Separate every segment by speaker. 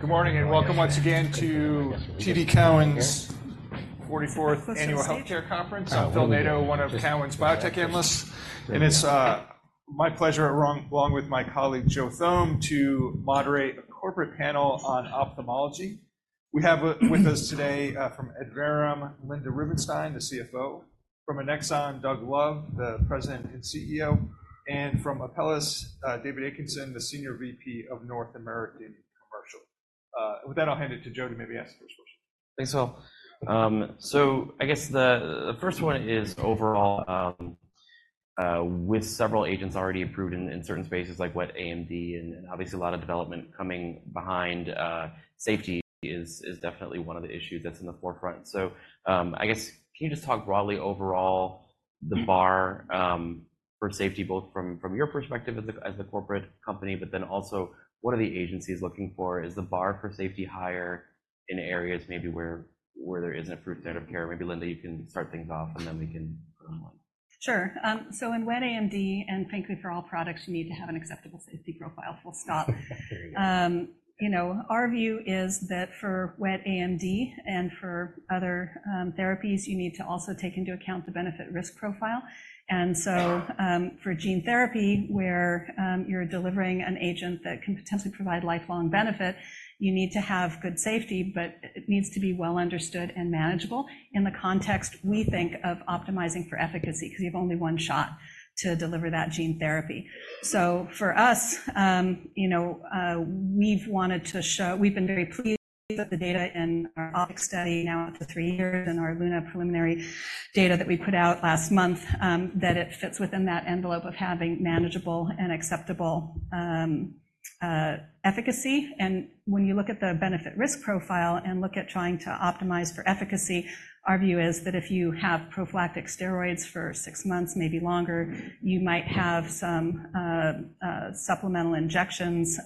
Speaker 1: Good morning and welcome once again to TD Cowen's 44th Annual Healthcare Conference. I'm Phil Nadeau, one of Cowen's biotech analysts, and it's my pleasure, along with my colleague Joe Thome, to moderate a corporate panel on ophthalmology. We have with us today from Adverum Biotechnologies Linda Rubinstein, the CFO; from Annexon Biosciences Doug Love, the president and CEO; and from Apellis David D'Ambrosio, the senior VP of North American Commercial. With that, I'll hand it to Joe to maybe ask the first question.
Speaker 2: Thanks, Phil. So I guess the first one is overall, with several agents already approved in certain spaces like wet AMD and obviously a lot of development coming behind, safety is definitely one of the issues that's in the forefront. So I guess, can you just talk broadly overall the bar for safety, both from your perspective as a corporate company, but then also what are the agencies looking for? Is the bar for safety higher in areas maybe where there isn't approved standard of care? Maybe, Linda, you can start things off and then we can put them on.
Speaker 3: Sure. So in wet AMD, and for all products, you need to have an acceptable safety profile. Full stop. Our view is that for wet AMD and for other therapies, you need to also take into account the benefit-risk profile. So for gene therapy, where you're delivering an agent that can potentially provide lifelong benefit, you need to have good safety, but it needs to be well understood and manageable in the context, we think, of optimizing for efficacy because you have only one shot to deliver that gene therapy. So for us, we've wanted to show we've been very pleased with the data in our OPTIC study now after three years and our LUNA preliminary data that we put out last month, that it fits within that envelope of having manageable and acceptable efficacy. When you look at the benefit-risk profile and look at trying to optimize for efficacy, our view is that if you have prophylactic steroids for six months, maybe longer, you might have some supplemental injections.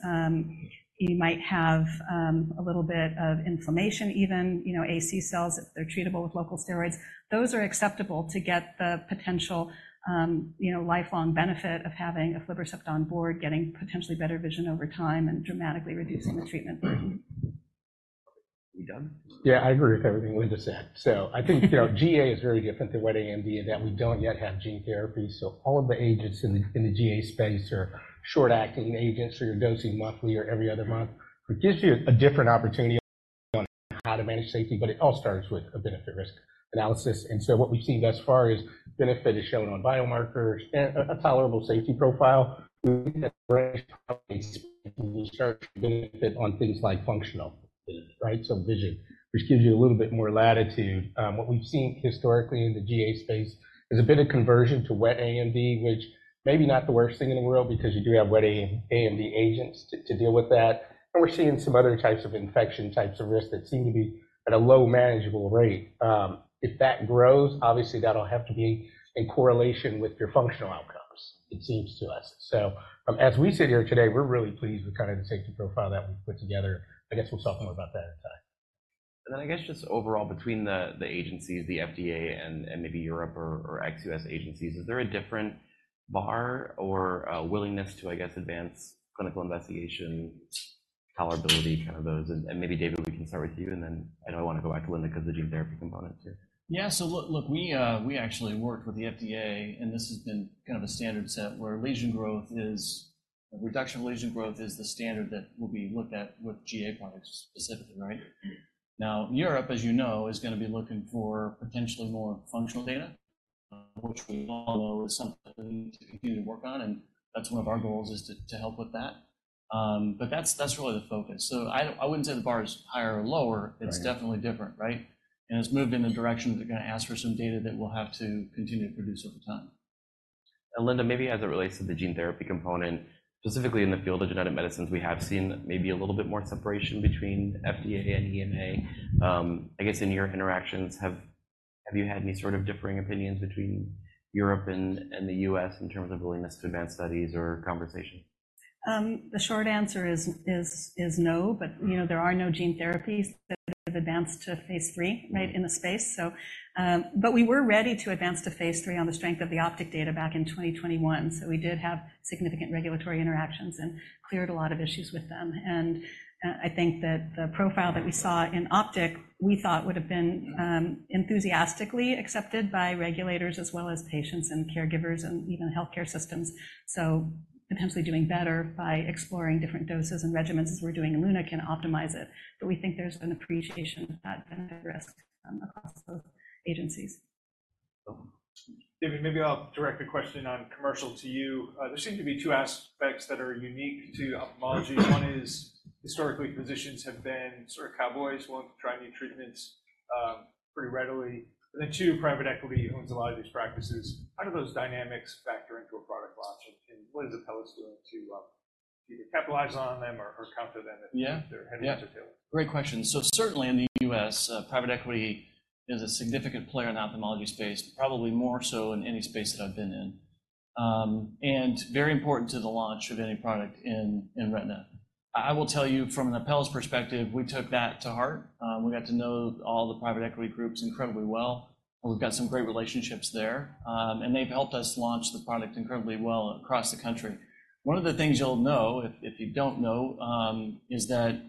Speaker 3: You might have a little bit of inflammation even, AC cells, if they're treatable with local steroids. Those are acceptable to get the potential lifelong benefit of having an aflibercept on board, getting potentially better vision over time, and dramatically reducing the treatment burden.
Speaker 2: Are we done?
Speaker 4: Yeah, I agree with everything Linda said. So I think GA is very different to wet AMD in that we don't yet have gene therapy. So all of the agents in the GA space are short-acting agents or you're dosing monthly or every other month. It gives you a different opportunity on how to manage safety, but it all starts with a benefit-risk analysis. And so what we've seen thus far is benefit is shown on biomarkers and a tolerable safety profile. We start to benefit on things like functional, right? So vision, which gives you a little bit more latitude. What we've seen historically in the GA space is a bit of conversion to wet AMD, which may be not the worst thing in the world because you do have wet AMD agents to deal with that. We're seeing some other types of infection types of risk that seem to be at a low manageable rate. If that grows, obviously, that'll have to be in correlation with your functional outcomes, it seems to us. So as we sit here today, we're really pleased with kind of the safety profile that we've put together. I guess we'll talk more about that in time.
Speaker 2: Then I guess just overall, between the agencies, the FDA and maybe Europe or ex-US agencies, is there a different bar or willingness to, I guess, advance clinical investigation, tolerability, kind of those? Maybe, David, we can start with you, and then I know I want to go back to Linda because the gene therapy component too.
Speaker 5: Yeah. So look, we actually worked with the FDA, and this has been kind of a standard set where lesion growth is reduction of lesion growth is the standard that will be looked at with GA products specifically, right? Now, Europe, as you know, is going to be looking for potentially more functional data, which we all know is something to continue to work on. And that's one of our goals is to help with that. But that's really the focus. So I wouldn't say the bar is higher or lower. It's definitely different, right? And it's moved in the direction that they're going to ask for some data that we'll have to continue to produce over time.
Speaker 2: Linda, maybe as it relates to the gene therapy component, specifically in the field of genetic medicines, we have seen maybe a little bit more separation between FDA and EMA. I guess in your interactions, have you had any sort of differing opinions between Europe and the U.S. in terms of willingness to advance studies or conversation?
Speaker 3: The short answer is no, but there are no gene therapies that have advanced to phase III, right, in the space. But we were ready to advance to phase III on the strength of the OPTIC data back in 2021. So we did have significant regulatory interactions and cleared a lot of issues with them. And I think that the profile that we saw in OPTIC, we thought, would have been enthusiastically accepted by regulators as well as patients and caregivers and even healthcare systems. So potentially doing better by exploring different doses and regimens as we're doing in LUNA can optimize it. But we think there's an appreciation of that benefit-risk across those agencies.
Speaker 1: David, maybe I'll direct a question on commercial to you. There seem to be two aspects that are unique to ophthalmology. One is historically, physicians have been sort of cowboys, wanting to try new treatments pretty readily. And then two, private equity owns a lot of these practices. How do those dynamics factor into a product launch? And what is Apellis doing to either capitalize on them or counter them if they're heading into tailwinds?
Speaker 5: Yeah, great question. So certainly in the U.S., private equity is a significant player in the ophthalmology space, probably more so in any space that I've been in, and very important to the launch of any product in retina. I will tell you, from an Apellis perspective, we took that to heart. We got to know all the private equity groups incredibly well. We've got some great relationships there, and they've helped us launch the product incredibly well across the country. One of the things you'll know, if you don't know, is that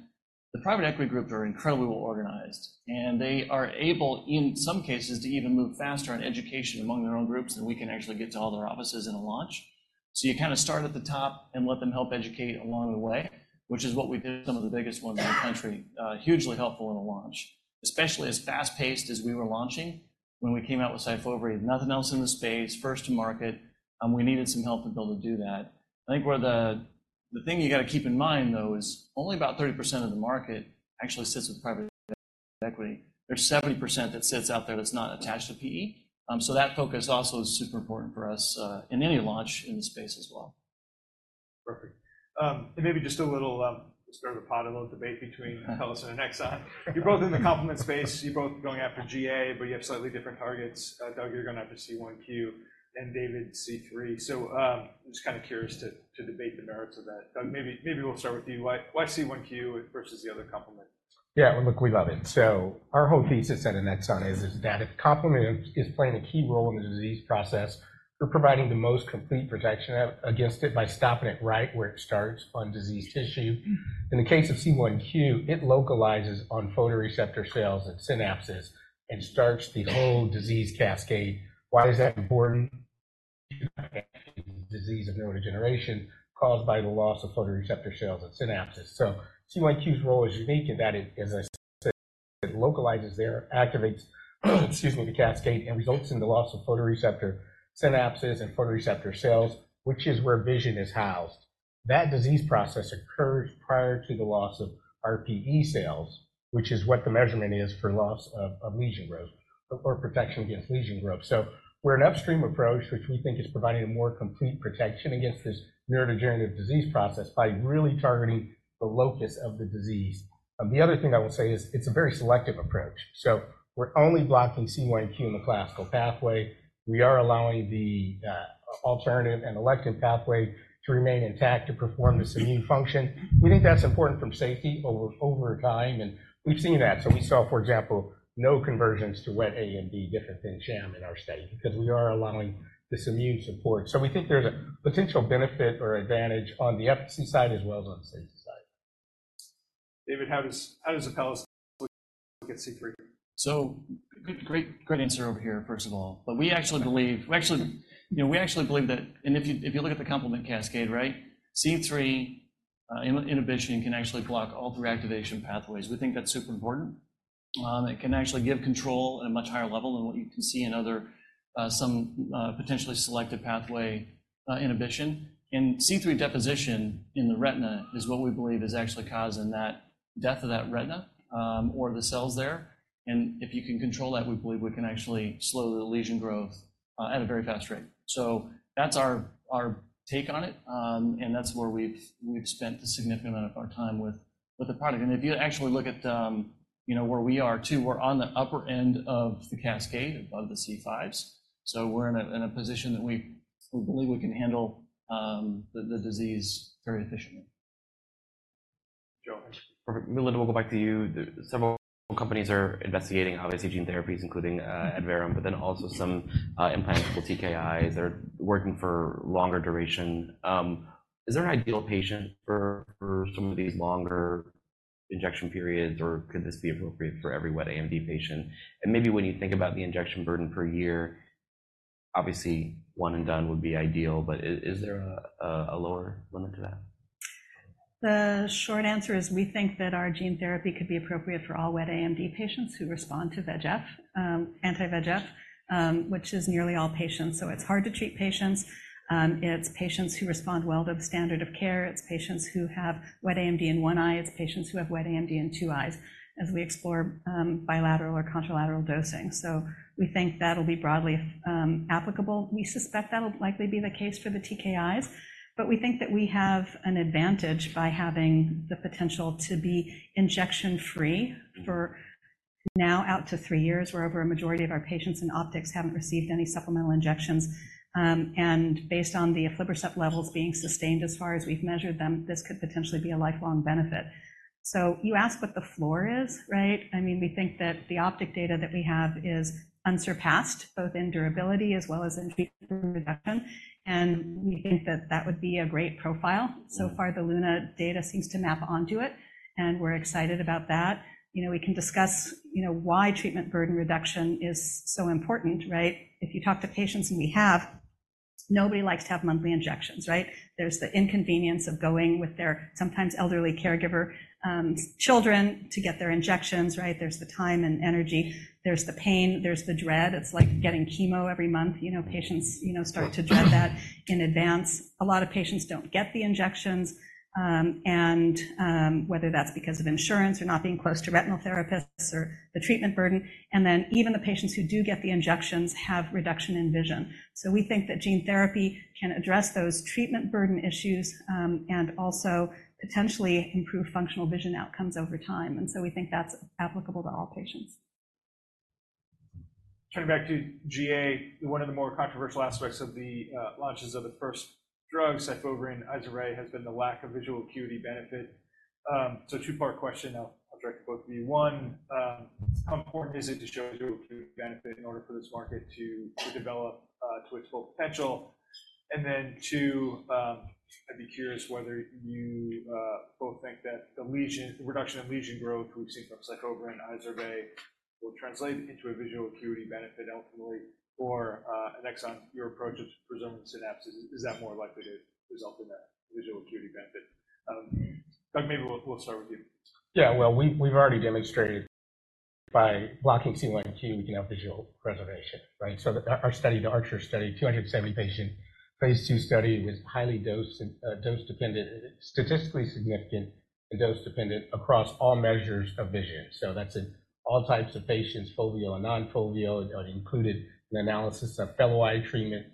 Speaker 5: the private equity groups are incredibly well organized, and they are able, in some cases, to even move faster on education among their own groups than we can actually get to all their offices in a launch. So you kind of start at the top and let them help educate along the way, which is what we did with some of the biggest ones in the country, hugely helpful in a launch, especially as fast-paced as we were launching when we came out with Syfovre, nothing else in the space, first to market. We needed some help to be able to do that. I think the thing you got to keep in mind, though, is only about 30% of the market actually sits with private equity. There's 70% that sits out there that's not attached to PE. So that focus also is super important for us in any launch in the space as well.
Speaker 1: Perfect. And maybe just a little stir the pot of a little debate between Apellis and Annexon. You're both in the complement space. You're both going after GA, but you have slightly different targets. Doug, you're going after C1q and David, C3. So I'm just kind of curious to debate the merits of that. Doug, maybe we'll start with you. Why C1q versus the other complement?
Speaker 4: Yeah, look, we love it. So our whole thesis at Annexon is that if complement is playing a key role in the disease process, we're providing the most complete protection against it by stopping it right where it starts on diseased tissue. In the case of C1q, it localizes on photoreceptor cells at synapses and starts the whole disease cascade. Why is that important? Disease of neurodegeneration caused by the loss of photoreceptor cells at synapses. So C1q's role is unique in that it localizes there, activates, excuse me, the cascade and results in the loss of photoreceptor synapses and photoreceptor cells, which is where vision is housed. That disease process occurs prior to the loss of RPE cells, which is what the measurement is for loss of lesion growth or protection against lesion growth. So we're an upstream approach, which we think is providing a more complete protection against this neurodegenerative disease process by really targeting the locus of the disease. The other thing I will say is it's a very selective approach. So we're only blocking C1q in the classical pathway. We are allowing the alternative and lectin pathway to remain intact to perform this immune function. We think that's important from safety over time, and we've seen that. So we saw, for example, no conversions to wet AMD, different than sham in our study because we are allowing this immune support. So we think there's a potential benefit or advantage on the efficacy side as well as on the safety side.
Speaker 1: David, how does Apellis look at C3?
Speaker 5: Great answer over here, first of all. But we actually believe we actually believe that and if you look at the complement cascade, right, C3 inhibition can actually block all three activation pathways. We think that's super important. It can actually give control at a much higher level than what you can see in other some potentially selective pathway inhibition. And C3 deposition in the retina is what we believe is actually causing that death of that retina or the cells there. And if you can control that, we believe we can actually slow the lesion growth at a very fast rate. So that's our take on it, and that's where we've spent a significant amount of our time with the product. And if you actually look at where we are, too, we're on the upper end of the cascade above the C5s. We're in a position that we believe we can handle the disease very efficiently.
Speaker 1: Joe.
Speaker 2: Perfect. Linda, we'll go back to you. Several companies are investigating, obviously, gene therapies, including Adverum, but then also some implantable TKIs that are working for longer duration. Is there an ideal patient for some of these longer injection periods, or could this be appropriate for every wet AMD patient? And maybe when you think about the injection burden per year, obviously, one and done would be ideal, but is there a lower limit to that?
Speaker 3: The short answer is we think that our gene therapy could be appropriate for all wet AMD patients who respond to anti-VEGF, which is nearly all patients. So it's hard to treat patients. It's patients who respond well to standard of care. It's patients who have wet AMD in one eye. It's patients who have wet AMD in two eyes as we explore bilateral or contralateral dosing. So we think that'll be broadly applicable. We suspect that'll likely be the case for the TKIs, but we think that we have an advantage by having the potential to be injection-free for now out to three years, where over a majority of our patients in OPTIC haven't received any supplemental injections. And based on the aflibercept levels being sustained as far as we've measured them, this could potentially be a lifelong benefit. So you ask what the floor is, right? I mean, we think that the OPTIC data that we have is unsurpassed both in durability as well as in treatment reduction. And we think that that would be a great profile. So far, the LUNA data seems to map onto it, and we're excited about that. We can discuss why treatment burden reduction is so important, right? If you talk to patients and we have, nobody likes to have monthly injections, right? There's the inconvenience of going with their sometimes elderly caregiver children to get their injections, right? There's the time and energy. There's the pain. There's the dread. It's like getting chemo every month. Patients start to dread that in advance. A lot of patients don't get the injections, whether that's because of insurance or not being close to retinal therapists or the treatment burden. And then even the patients who do get the injections have reduction in vision. So we think that gene therapy can address those treatment burden issues and also potentially improve functional vision outcomes over time. And so we think that's applicable to all patients.
Speaker 1: Turning back to GA, one of the more controversial aspects of the launches of the first drug, Syfovre, and Izervay, has been the lack of visual acuity benefit. So two-part question. I'll direct it both of you. One, how important is it to show visual acuity benefit in order for this market to develop to its full potential? And then two, I'd be curious whether you both think that the reduction in lesion growth we've seen from Syfovre and Izervay will translate into a visual acuity benefit ultimately. Or Annexon, your approach of preserving synapses, is that more likely to result in a visual acuity benefit? Doug, maybe we'll start with you.
Speaker 4: Yeah, well, we've already demonstrated by blocking C1q, we can have visual preservation, right? So our study, the ARCHER study, 270-patient phase II study with highly dose-dependent, statistically significant, and dose-dependent across all measures of vision. So that's in all types of patients, foveal and non-foveal. It included an analysis of fellow eye treatment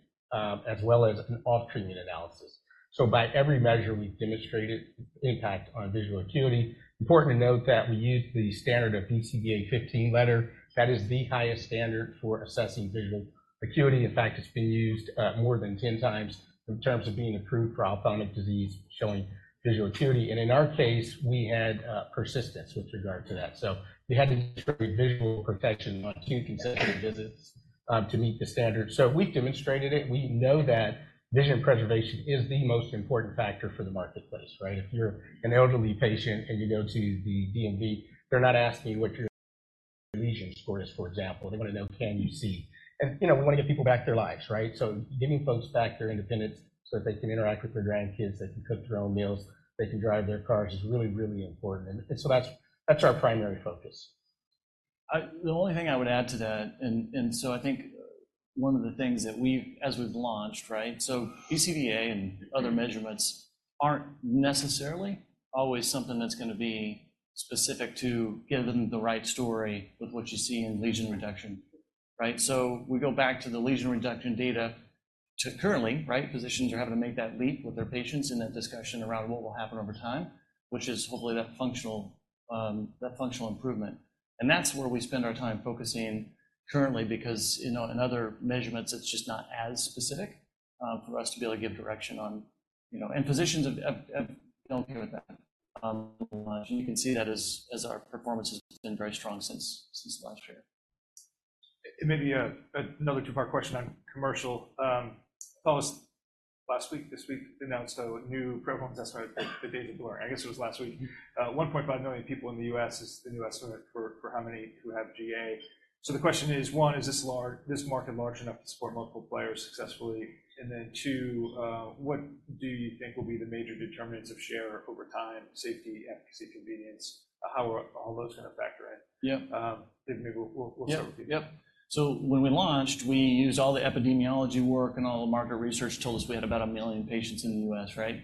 Speaker 4: as well as an off-treatment analysis. So by every measure, we've demonstrated impact on visual acuity. Important to note that we used the standard of BCVA 15-letter. That is the highest standard for assessing visual acuity. In fact, it's been used more than 10 times in terms of being approved for ophthalmic disease showing visual acuity. And in our case, we had persistence with regard to that. So we had to demonstrate visual protection on two consecutive visits to meet the standard. So we've demonstrated it. We know that vision preservation is the most important factor for the marketplace, right? If you're an elderly patient and you go to the DMV, they're not asking what your lesion score is, for example. They want to know, can you see? And we want to get people back to their lives, right? So giving folks back their independence so that they can interact with their grandkids, they can cook their own meals, they can drive their cars is really, really important. And so that's our primary focus.
Speaker 5: The only thing I would add to that, and so I think one of the things that we've launched, right? So BCVA and other measurements aren't necessarily always something that's going to be specific to giving the right story with what you see in lesion reduction, right? So we go back to the lesion reduction data currently, right? Physicians are having to make that leap with their patients in that discussion around what will happen over time, which is hopefully that functional improvement. And that's where we spend our time focusing currently because in other measurements, it's just not as specific for us to be able to give direction on and physicians have dealt with that. And you can see that as our performance has been very strong since last year.
Speaker 1: And maybe another two-part question on commercial. Apellis, last week, this week, announced a new program. That's right, the data below. I guess it was last week. 1.5 million people in the U.S. is the new estimate for how many who have GA. So the question is, one, is this market large enough to support multiple players successfully? And then two, what do you think will be the major determinants of share over time: safety, efficacy, convenience? How are all those going to factor in? David, maybe we'll start with you.
Speaker 5: Yeah. So when we launched, we used all the epidemiology work and all the market research told us we had about 1 million patients in the U.S., right?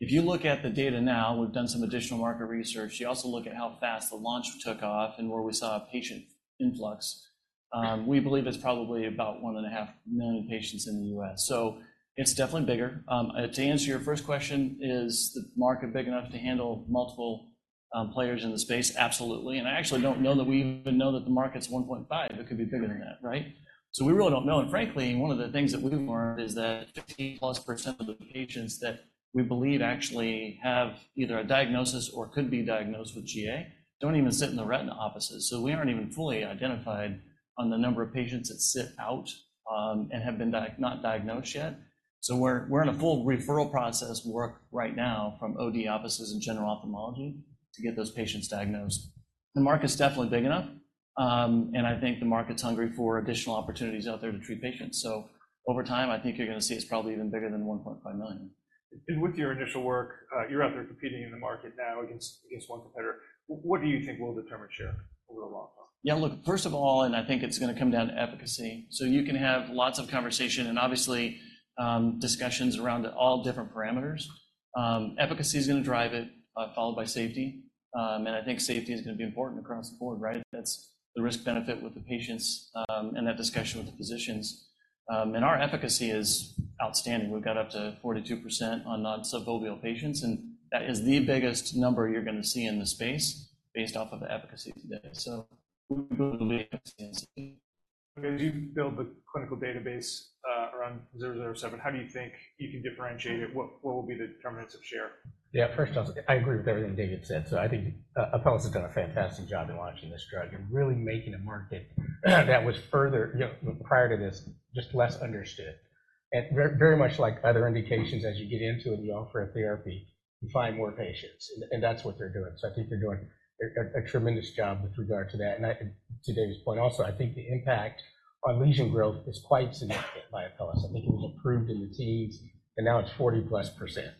Speaker 5: If you look at the data now, we've done some additional market research. You also look at how fast the launch took off and where we saw a patient influx. We believe it's probably about 1.5 million patients in the U.S. So it's definitely bigger. To answer your first question, is the market big enough to handle multiple players in the space? Absolutely. And I actually don't know that we even know that the market's 1.5. It could be bigger than that, right? So we really don't know. Frankly, one of the things that we've learned is that 50+% of the patients that we believe actually have either a diagnosis or could be diagnosed with GA don't even sit in the retina offices. So we aren't even fully identified on the number of patients that sit out and have been not diagnosed yet. So we're in a full referral process work right now from OD offices and general ophthalmology to get those patients diagnosed. The market's definitely big enough. I think the market's hungry for additional opportunities out there to treat patients. So over time, I think you're going to see it's probably even bigger than 1.5 million.
Speaker 1: With your initial work, you're out there competing in the market now against one competitor. What do you think will determine share over the long term?
Speaker 5: Yeah, look, first of all, and I think it's going to come down to efficacy. So you can have lots of conversation and obviously discussions around all different parameters. Efficacy is going to drive it, followed by safety. And I think safety is going to be important across the board, right? That's the risk-benefit with the patients and that discussion with the physicians. And our efficacy is outstanding. We've got up to 42% on non-subfoveal patients. And that is the biggest number you're going to see in the space based off of the efficacy today. So we believe efficacy is the key.
Speaker 1: Okay. As you build the clinical database around 007, how do you think you can differentiate it? What will be the determinants of share?
Speaker 4: Yeah, first off, I agree with everything David said. So I think Apellis has done a fantastic job in launching this drug and really making a market that was further prior to this just less understood. And very much like other indications, as you get into it and you offer a therapy, you find more patients. And that's what they're doing. So I think they're doing a tremendous job with regard to that. And to David's point also, I think the impact on lesion growth is quite significant by Apellis. I think it was approved in the teens, and now it's 40+%.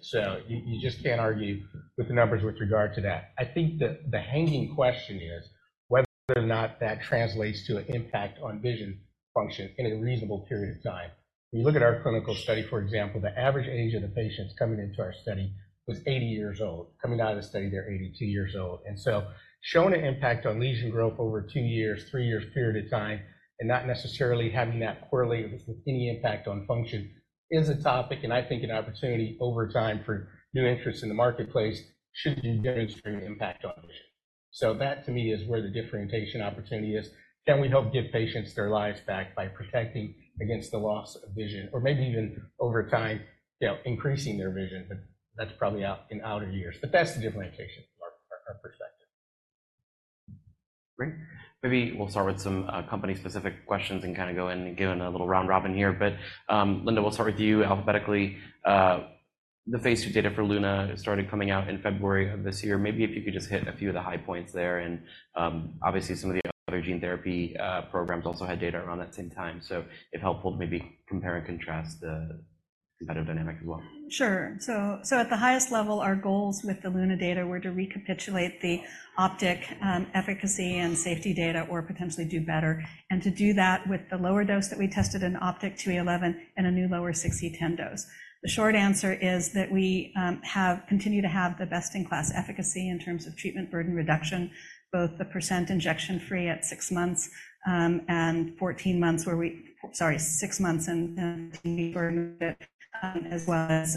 Speaker 4: So you just can't argue with the numbers with regard to that. I think the hanging question is whether or not that translates to an impact on vision function in a reasonable period of time. When you look at our clinical study, for example, the average age of the patients coming into our study was 80 years old. Coming out of the study, they're 82 years old. And so showing an impact on lesion growth over a 2-year, 3-year period of time and not necessarily having that correlate with any impact on function is a topic. And I think an opportunity over time for new entrants in the marketplace should be demonstrating impact on vision. So that, to me, is where the differentiation opportunity is. Can we help give patients their lives back by protecting against the loss of vision or maybe even over time, increasing their vision? But that's probably in outer years. But that's the differentiation from our perspective.
Speaker 2: Great. Maybe we'll start with some company-specific questions and kind of go in and give a little round-robin here. But Linda, we'll start with you alphabetically. The phase II data for LUNA started coming out in February of this year. Maybe if you could just hit a few of the high points there. And obviously, some of the other gene therapy programs also had data around that same time. So if helpful, maybe compare and contrast the competitive dynamic as well.
Speaker 3: Sure. So at the highest level, our goals with the LUNA data were to recapitulate the OPTIC efficacy and safety data or potentially do better. And to do that with the lower dose that we tested in OPTIC 2E11 and a new lower 6E10 dose. The short answer is that we continue to have the best-in-class efficacy in terms of treatment burden reduction, both the percent injection-free at 6 months and 14 months where we sorry, 6 months and 15-week burden reduction as well as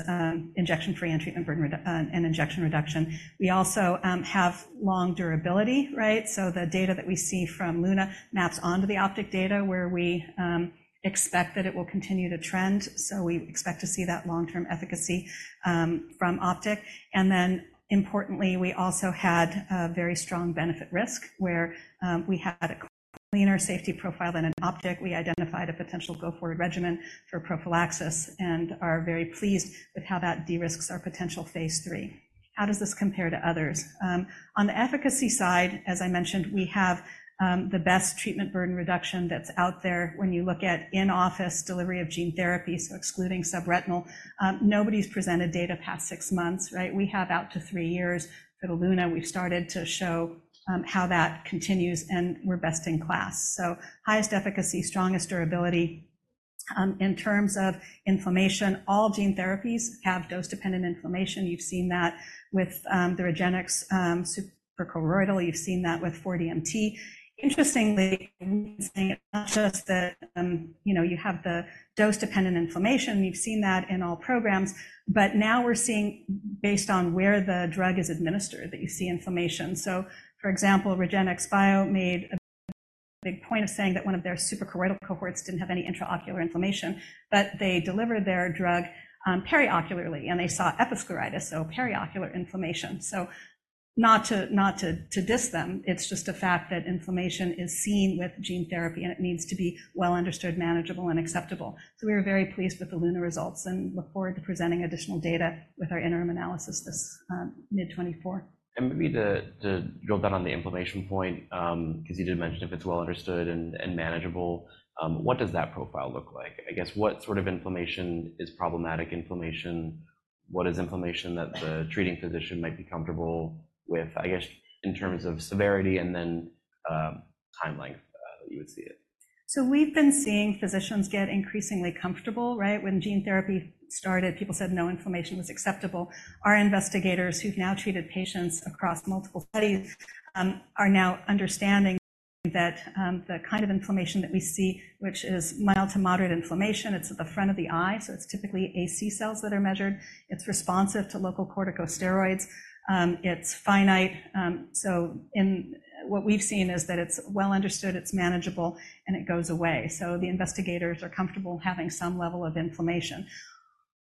Speaker 3: injection-free and treatment burden and injection reduction. We also have long durability, right? So the data that we see from LUNA maps onto the OPTIC data where we expect that it will continue to trend. So we expect to see that long-term efficacy from OPTIC. And then importantly, we also had a very strong benefit-risk where we had a cleaner safety profile than in OPTIC. We identified a potential go-forward regimen for prophylaxis and are very pleased with how that de-risks our potential phase III. How does this compare to others? On the efficacy side, as I mentioned, we have the best treatment burden reduction that's out there when you look at in-office delivery of gene therapy, so excluding subretinal. Nobody's presented data past 6 months, right? We have out to 3 years. For the LUNA, we've started to show how that continues, and we're best in class. So highest efficacy, strongest durability. In terms of inflammation, all gene therapies have dose-dependent inflammation. You've seen that with the REGENXBIO suprachoroidal. You've seen that with 4DMT. Interestingly, we're saying it's not just that you have the dose-dependent inflammation. You've seen that in all programs. But now we're seeing, based on where the drug is administered, that you see inflammation. So for example, REGENXBIO made a big point of saying that one of their suprachoroidal cohorts didn't have any intraocular inflammation. But they delivered their drug periocularly, and they saw episcleritis, so periocular inflammation. So not to diss them. It's just a fact that inflammation is seen with gene therapy, and it needs to be well understood, manageable, and acceptable. So we were very pleased with the LUNA results and look forward to presenting additional data with our interim analysis this mid-2024.
Speaker 2: Maybe to drill down on the inflammation point, because you did mention if it's well understood and manageable, what does that profile look like? I guess what sort of inflammation is problematic inflammation? What is inflammation that the treating physician might be comfortable with, I guess, in terms of severity and then time length that you would see it?
Speaker 3: So we've been seeing physicians get increasingly comfortable, right? When gene therapy started, people said no inflammation was acceptable. Our investigators who've now treated patients across multiple studies are now understanding that the kind of inflammation that we see, which is mild to moderate inflammation, it's at the front of the eye. So it's typically AC cells that are measured. It's responsive to local corticosteroids. It's finite. So what we've seen is that it's well understood, it's manageable, and it goes away. So the investigators are comfortable having some level of inflammation.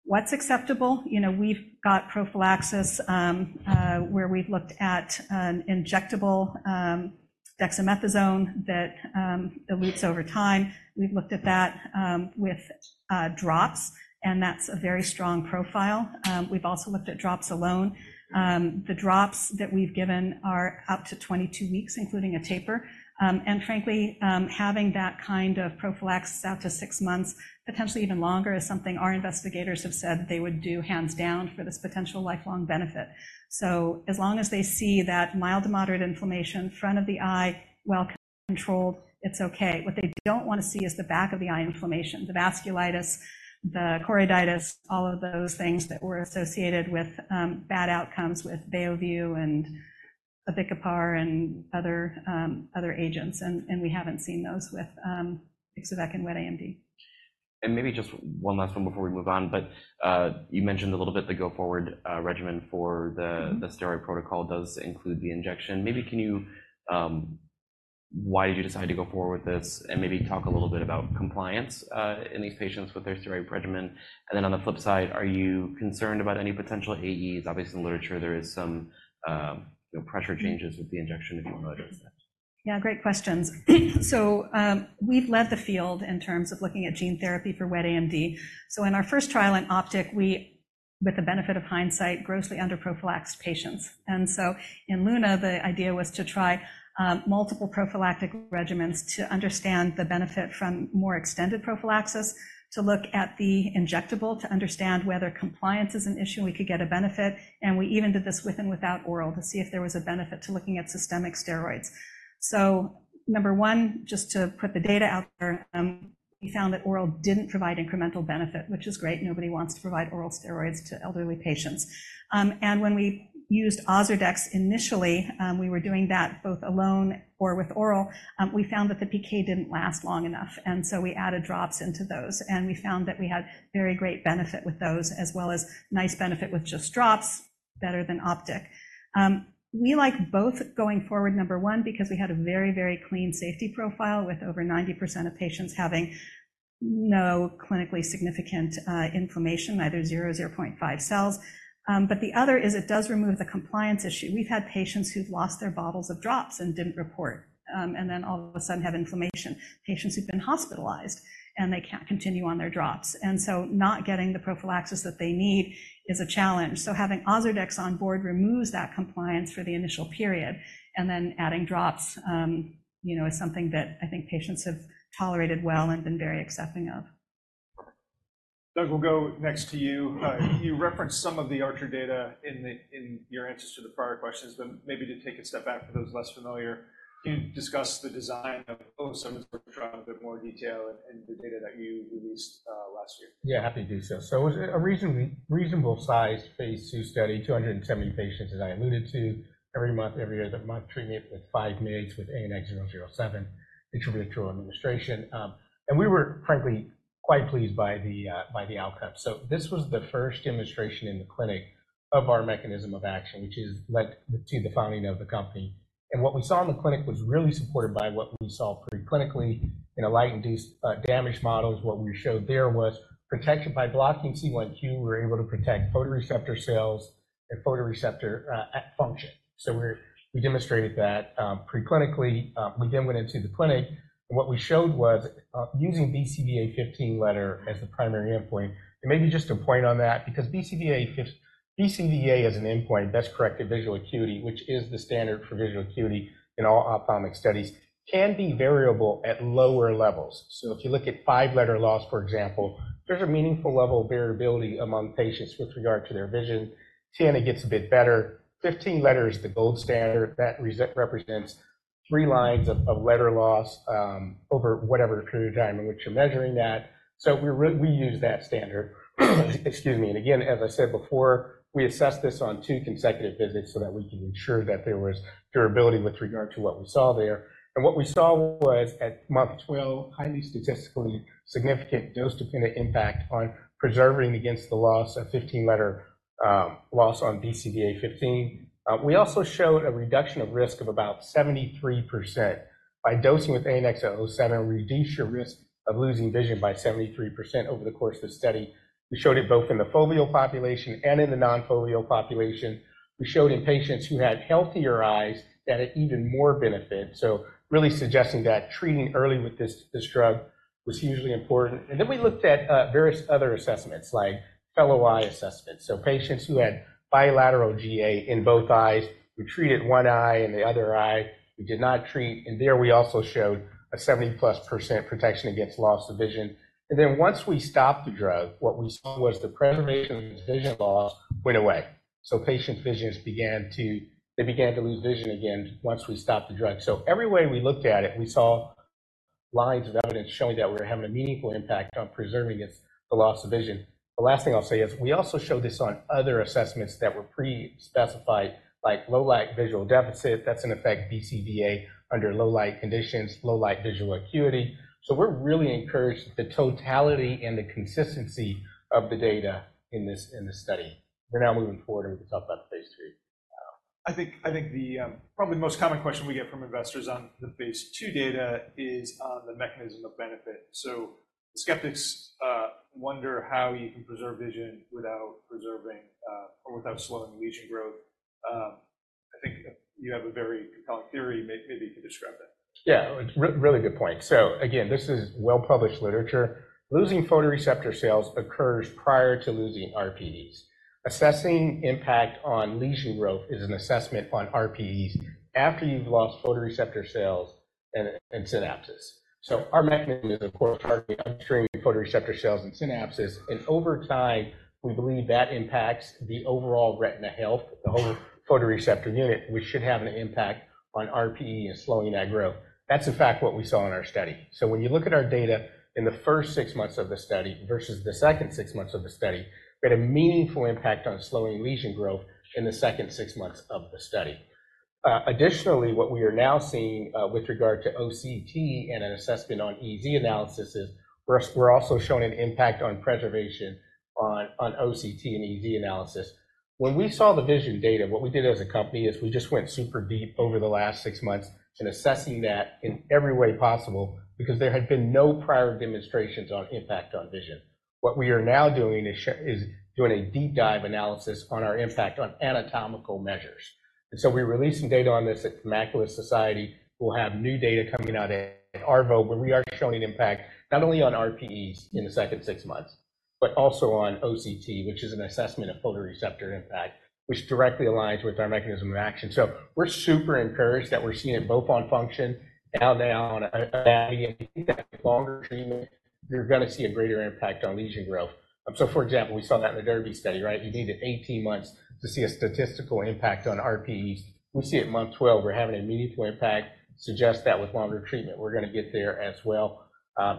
Speaker 3: What's acceptable? We've got prophylaxis where we've looked at injectable dexamethasone that elutes over time. We've looked at that with drops, and that's a very strong profile. We've also looked at drops alone. The drops that we've given are up to 22 weeks, including a taper. And frankly, having that kind of prophylaxis out to six months, potentially even longer, is something our investigators have said they would do hands down for this potential lifelong benefit. So as long as they see that mild to moderate inflammation, front of the eye, well controlled, it's okay. What they don't want to see is the back of the eye inflammation, the vasculitis, the choroiditis, all of those things that were associated with bad outcomes with Beovu and abicipar and other agents. And we haven't seen those with Ixo-vec and wet AMD.
Speaker 2: Maybe just one last one before we move on. But you mentioned a little bit the go-forward regimen for the steroid protocol does include the injection. Maybe can you why did you decide to go forward with this? And maybe talk a little bit about compliance in these patients with their steroid regimen. And then on the flip side, are you concerned about any potential AEs? Obviously, in the literature, there are some pressure changes with the injection if you want to address that.
Speaker 3: Yeah, great questions. So we've led the field in terms of looking at gene therapy for wet AMD. So in our first trial in OPTIC, we, with the benefit of hindsight, grossly under-prophylaxed patients. And so in LUNA, the idea was to try multiple prophylactic regimens to understand the benefit from more extended prophylaxis, to look at the injectable, to understand whether compliance is an issue, and we could get a benefit. And we even did this with and without oral to see if there was a benefit to looking at systemic steroids. So number 1, just to put the data out there, we found that oral didn't provide incremental benefit, which is great. Nobody wants to provide oral steroids to elderly patients. And when we used Ozurdex initially, we were doing that both alone or with oral. We found that the PK didn't last long enough. So we added drops into those. And we found that we had very great benefit with those, as well as nice benefit with just drops, better than OPTIC. We like both going forward, number one, because we had a very, very clean safety profile with over 90% of patients having no clinically significant inflammation, either 0 or 0.5 cells. But the other is it does remove the compliance issue. We've had patients who've lost their bottles of drops and didn't report, and then all of a sudden have inflammation, patients who've been hospitalized, and they can't continue on their drops. And so not getting the prophylaxis that they need is a challenge. So having Ozurdex on board removes that compliance for the initial period. And then adding drops is something that I think patients have tolerated well and been very accepting of.
Speaker 1: Doug, we'll go next to you. You referenced some of the ARCHER data in your answers to the prior questions, but maybe to take a step back for those less familiar, can you discuss the design of 007's trial in a bit more detail and the data that you released last year?
Speaker 4: Yeah, happy to do so. So it was a reasonably reasonable-sized phase II study, 270 patients as I alluded to, every month, every other month, treatment with 5 mg with ANX007, intravitreal administration. And we were, frankly, quite pleased by the outcome. So this was the first demonstration in the clinic of our mechanism of action, which has led to the founding of the company. And what we saw in the clinic was really supported by what we saw preclinically in a light-induced damage model. What we showed there was protection by blocking C1q. We were able to protect photoreceptor cells and photoreceptor function. So we demonstrated that preclinically. We then went into the clinic. And what we showed was using BCVA 15-letter as the primary endpoint. And maybe just to point on that, because BCVA is an endpoint, best-corrected visual acuity, which is the standard for visual acuity in all ophthalmic studies, can be variable at lower levels. So if you look at 5-letter loss, for example, there's a meaningful level of variability among patients with regard to their vision. 10, it gets a bit better. 15-letter is the gold standard that represents 3 lines of letter loss over whatever period of time in which you're measuring that. So we use that standard. Excuse me. And again, as I said before, we assessed this on 2 consecutive visits so that we can ensure that there was durability with regard to what we saw there. And what we saw was at month 12, highly statistically significant dose-dependent impact on preserving against the loss of 15-letter loss on BCVA 15. We also showed a reduction of risk of about 73% by dosing with ANX007, reduce your risk of losing vision by 73% over the course of the study. We showed it both in the foveal population and in the non-foveal population. We showed in patients who had healthier eyes that it even more benefit. So really suggesting that treating early with this drug was hugely important. And then we looked at various other assessments like fellow-eye Assessment. So patients who had bilateral GA in both eyes, we treated one eye and the other eye. We did not treat. And there we also showed a 70%+ protection against loss of vision. And then once we stopped the drug, what we saw was the preservation of vision loss went away. So patients' visions began to lose vision again once we stopped the drug. Every way we looked at it, we saw lines of evidence showing that we were having a meaningful impact on preserving against the loss of vision. The last thing I'll say is we also showed this on other assessments that were pre-specified, like low-light visual deficit. That's in effect BCVA under low-light conditions, low-light visual acuity. We're really encouraged by the totality and the consistency of the data in this study. We're now moving forward and we can talk about phase III.
Speaker 1: I think probably the most common question we get from investors on the phase II data is on the mechanism of benefit. So skeptics wonder how you can preserve vision without preserving or without slowing lesion growth. I think you have a very compelling theory. Maybe you can describe that.
Speaker 4: Yeah, really good point. So again, this is well-published literature. Losing photoreceptor cells occurs prior to losing RPEs. Assessing impact on lesion growth is an assessment on RPEs after you've lost photoreceptor cells and synapses. So our mechanism is, of course, targeting upstream photoreceptor cells and synapses. And over time, we believe that impacts the overall retina health, the whole photoreceptor unit, which should have an impact on RPE and slowing that growth. That's, in fact, what we saw in our study. So when you look at our data in the first six months of the study versus the second six months of the study, we had a meaningful impact on slowing lesion growth in the second six months of the study. Additionally, what we are now seeing with regard to OCT and an assessment on EZ analysis is we're also showing an impact on preservation on OCT and EZ analysis. When we saw the vision data, what we did as a company is we just went super deep over the last six months in assessing that in every way possible because there had been no prior demonstrations on impact on vision. What we are now doing is doing a deep dive analysis on our impact on anatomical measures. And so we released some data on this at Macula Society. We'll have new data coming out at ARVO, but we are showing impact not only on RPEs in the second six months, but also on OCT, which is an assessment of photoreceptor impact, which directly aligns with our mechanism of action. So we're super encouraged that we're seeing it both on function and now on a longer treatment. You're going to see a greater impact on lesion growth. So, for example, we saw that in the DERBY study, right? You needed 18 months to see a statistical impact on RPEs. We see it month 12. We're having a meaningful impact. Suggest that with longer treatment, we're going to get there as well.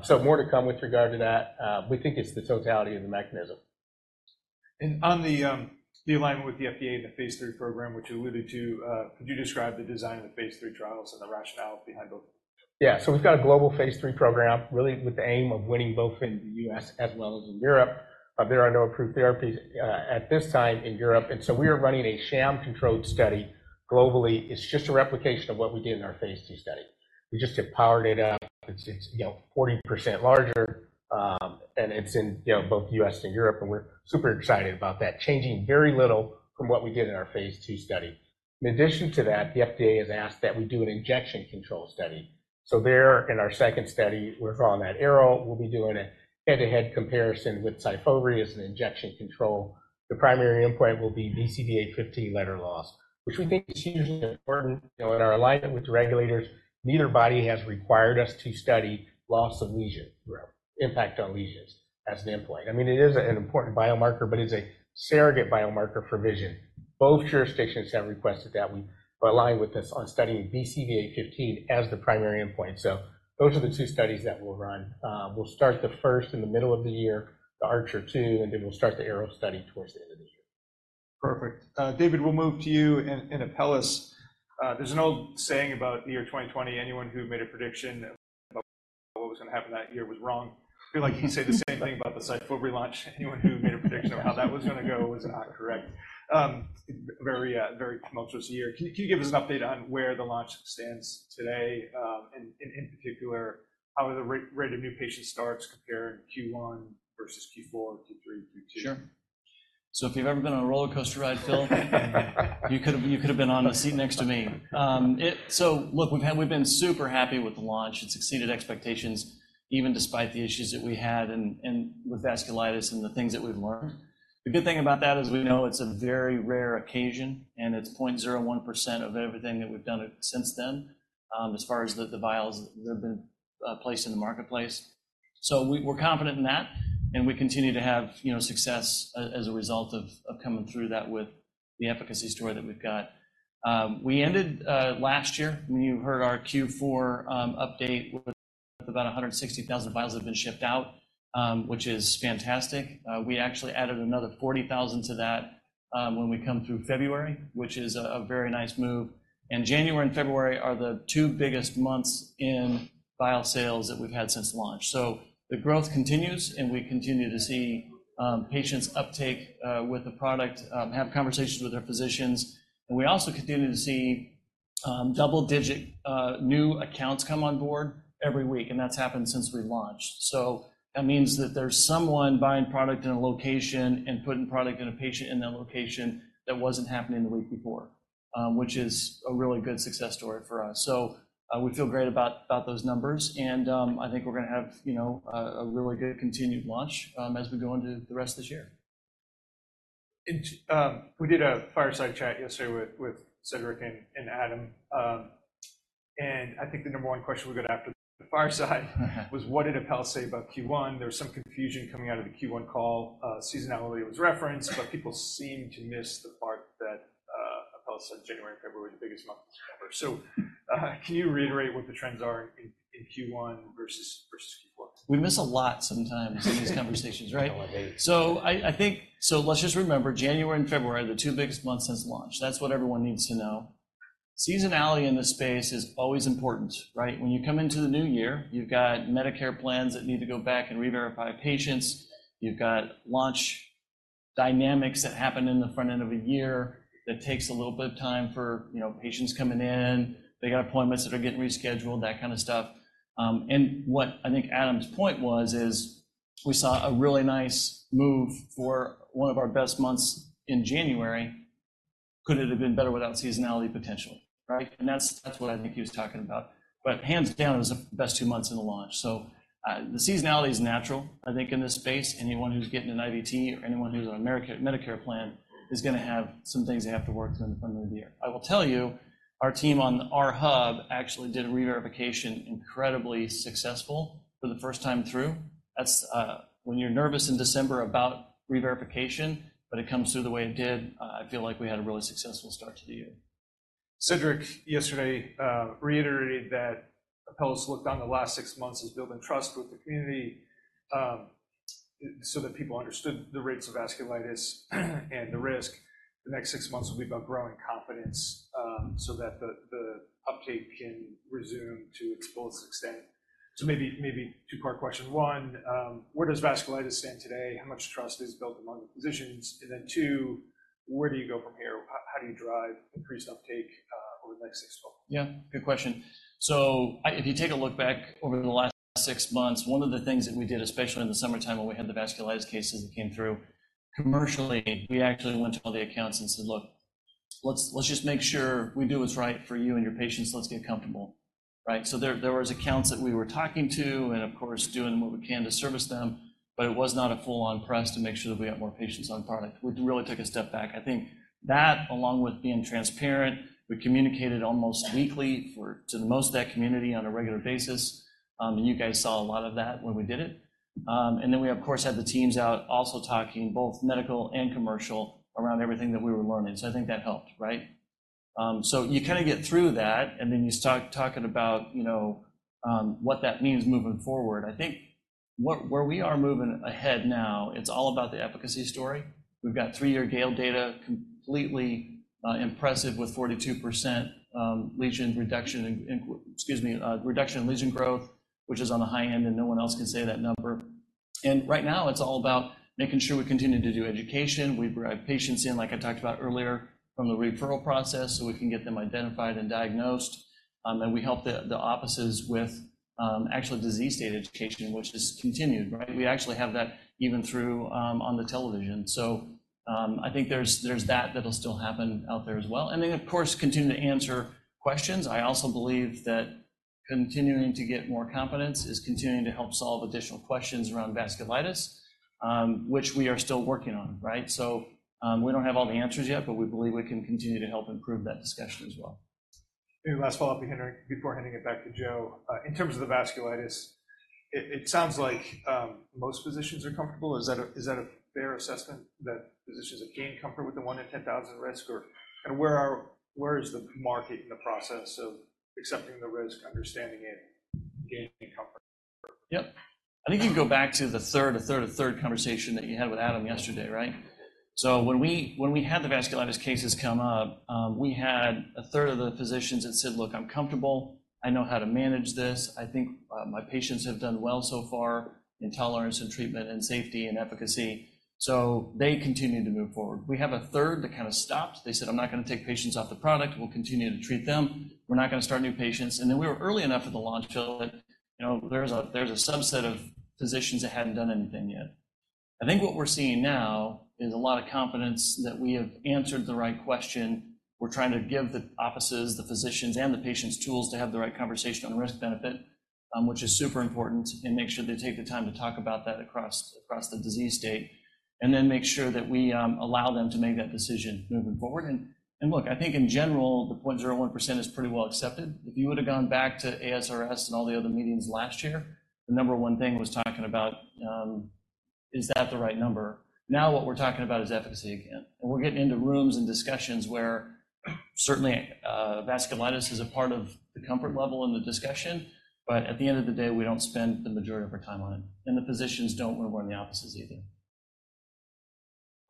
Speaker 4: So more to come with regard to that. We think it's the totality of the mechanism.
Speaker 1: On the alignment with the FDA and the phase III program, which you alluded to, could you describe the design of the phase III trials and the rationale behind both?
Speaker 4: Yeah. So we've got a global phase III program, really, with the aim of winning both in the U.S. as well as in Europe. There are no approved therapies at this time in Europe. So we are running a sham-controlled study globally. It's just a replication of what we did in our phase II study. We just powered it up. It's 40% larger. It's in both the U.S. and Europe. And we're super excited about that, changing very little from what we did in our phase II study. In addition to that, the FDA has asked that we do an injection control study. So there in our second study, we're doing that ARROW. We'll be doing a head-to-head comparison with Syfovre as an injection control. The primary endpoint will be BCVA 15-letter loss, which we think is hugely important. In our alignment with the regulators, neither body has required us to study loss of lesion growth, impact on lesions as an endpoint. I mean, it is an important biomarker, but it's a surrogate biomarker for vision. Both jurisdictions have requested that we align with this on studying BCVA15 as the primary endpoint. So those are the two studies that we'll run. We'll start the first in the middle of the year, the ARCHER II, and then we'll start the ARROW study towards the end of the year.
Speaker 2: Perfect. David, we'll move to you and Apellis. There's an old saying about the year 2020. Anyone who made a prediction about what was going to happen that year was wrong. I feel like you say the same thing about the Syfovre launch. Anyone who made a prediction of how that was going to go was not correct. Very tumultuous year. Can you give us an update on where the launch stands today? And in particular, how the rate of new patient starts comparing Q1 versus Q4, Q3, Q2?
Speaker 4: Sure. So if you've ever been on a roller coaster ride, Phil, you could have been on the seat next to me. So look, we've been super happy with the launch. It succeeded expectations, even despite the issues that we had with vasculitis and the things that we've learned. The good thing about that is we know it's a very rare occasion, and it's 0.01% of everything that we've done since then as far as the vials that have been placed in the marketplace. So we're confident in that. And we continue to have success as a result of coming through that with the efficacy story that we've got. We ended last year. When you heard our Q4 update, about 160,000 vials have been shipped out, which is fantastic. We actually added another 40,000 to that when we come through February, which is a very nice move. January and February are the two biggest months in vial sales that we've had since launch. So the growth continues, and we continue to see patient uptake with the product, have conversations with their physicians. We also continue to see double-digit new accounts come on board every week. That's happened since we launched. So that means that there's someone buying product in a location and putting product in a patient in that location that wasn't happening the week before, which is a really good success story for us. So we feel great about those numbers. I think we're going to have a really good continued launch as we go into the rest of the year.
Speaker 1: We did a fireside chat yesterday with Cedric and Adam. I think the number one question we got after the fireside was, what did Apellis say about Q1? There was some confusion coming out of the Q1 call. Seasonality was referenced, but people seem to miss the part that Apellis said January, February is the biggest month ever. Can you reiterate what the trends are in Q1 versus Q4?
Speaker 4: We miss a lot sometimes in these conversations, right? So let's just remember, January and February, the two biggest months since launch. That's what everyone needs to know. Seasonality in this space is always important, right? When you come into the new year, you've got Medicare plans that need to go back and reverify patients. You've got launch dynamics that happen in the front end of a year that takes a little bit of time for patients coming in. They got appointments that are getting rescheduled, that kind of stuff. And what I think Adam's point was, is we saw a really nice move for one of our best months in January. Could it have been better without seasonality, potentially, right? And that's what I think he was talking about. But hands down, it was the best two months in the launch. So the seasonality is natural, I think, in this space. Anyone who's getting an IVT or anyone who's on a Medicare plan is going to have some things they have to work through in the front end of the year. I will tell you, our team on our hub actually did a reverification incredibly successful for the first time through. That's when you're nervous in December about reverification, but it comes through the way it did. I feel like we had a really successful start to the year.
Speaker 1: Cedric yesterday reiterated that Apellis looked on the last six months as building trust with the community so that people understood the rates of vasculitis and the risk. The next six months will be about growing confidence so that the uptake can resume to its fullest extent. So maybe two-part question. One, where does vasculitis stand today? How much trust is built among the physicians? And then two, where do you go from here? How do you drive increased uptake over the next six months?
Speaker 4: Yeah, good question. So if you take a look back over the last six months, one of the things that we did, especially in the summertime when we had the vasculitis cases that came through commercially, we actually went to all the accounts and said, "Look, let's just make sure we do what's right for you and your patients. Let's get comfortable," right? So there were accounts that we were talking to and, of course, doing what we can to service them. But it was not a full-on press to make sure that we got more patients on product. We really took a step back. I think that, along with being transparent, we communicated almost weekly to the most of that community on a regular basis. And you guys saw a lot of that when we did it. Then we, of course, had the teams out also talking, both medical and commercial, around everything that we were learning. So I think that helped, right? So you kind of get through that, and then you start talking about what that means moving forward. I think where we are moving ahead now, it's all about the efficacy story. We've got three-year GALE data, completely impressive with 42% lesion reduction and excuse me, reduction in lesion growth, which is on the high end, and no one else can say that number. And right now, it's all about making sure we continue to do education. We drive patients in, like I talked about earlier, from the referral process so we can get them identified and diagnosed. And we help the offices with actual disease state education, which is continued, right? We actually have that even through on the television. So I think there's that that'll still happen out there as well. And then, of course, continue to answer questions. I also believe that continuing to get more confidence is continuing to help solve additional questions around vasculitis, which we are still working on, right? So we don't have all the answers yet, but we believe we can continue to help improve that discussion as well.
Speaker 1: Maybe last follow-up before handing it back to Joe. In terms of the vasculitis, it sounds like most physicians are comfortable. Is that a fair assessment that physicians have gained comfort with the 1 in 10,000 risk, or where is the market in the process of accepting the risk, understanding it, gaining comfort?
Speaker 4: Yep. I think you can go back to the third conversation that you had with Adam yesterday, right? So when we had the vasculitis cases come up, we had a third of the physicians that said, "Look, I'm comfortable. I know how to manage this. I think my patients have done well so far in tolerance and treatment and safety and efficacy." So they continue to move forward. We have a third that kind of stopped. They said, "I'm not going to take patients off the product. We'll continue to treat them. We're not going to start new patients." And then we were early enough at the launch, Phil, that there's a subset of physicians that hadn't done anything yet. I think what we're seeing now is a lot of confidence that we have answered the right question. We're trying to give the offices, the physicians, and the patients tools to have the right conversation on risk-benefit, which is super important, and make sure they take the time to talk about that across the disease state, and then make sure that we allow them to make that decision moving forward. And look, I think in general, the 0.01% is pretty well accepted. If you would have gone back to ASRS and all the other meetings last year, the number one thing was talking about, "Is that the right number?" Now what we're talking about is efficacy again. And we're getting into rooms and discussions where certainly vasculitis is a part of the comfort level in the discussion. But at the end of the day, we don't spend the majority of our time on it. And the physicians don't want to run the offices either.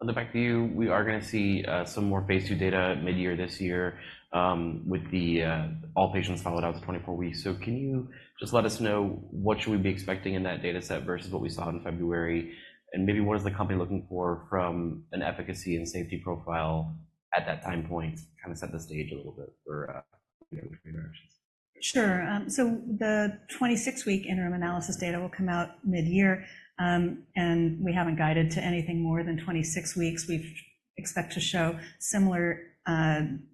Speaker 2: I'll look back to you. We are going to see some more phase II data mid-year this year with all patients followed out to 24 weeks. So can you just let us know what we should be expecting in that dataset versus what we saw in February? And maybe what is the company looking for from an efficacy and safety profile at that time point? Kind of set the stage a little bit for interactions.
Speaker 3: Sure. So the 26-week interim analysis data will come out mid-year. And we haven't guided to anything more than 26 weeks. We expect to show similar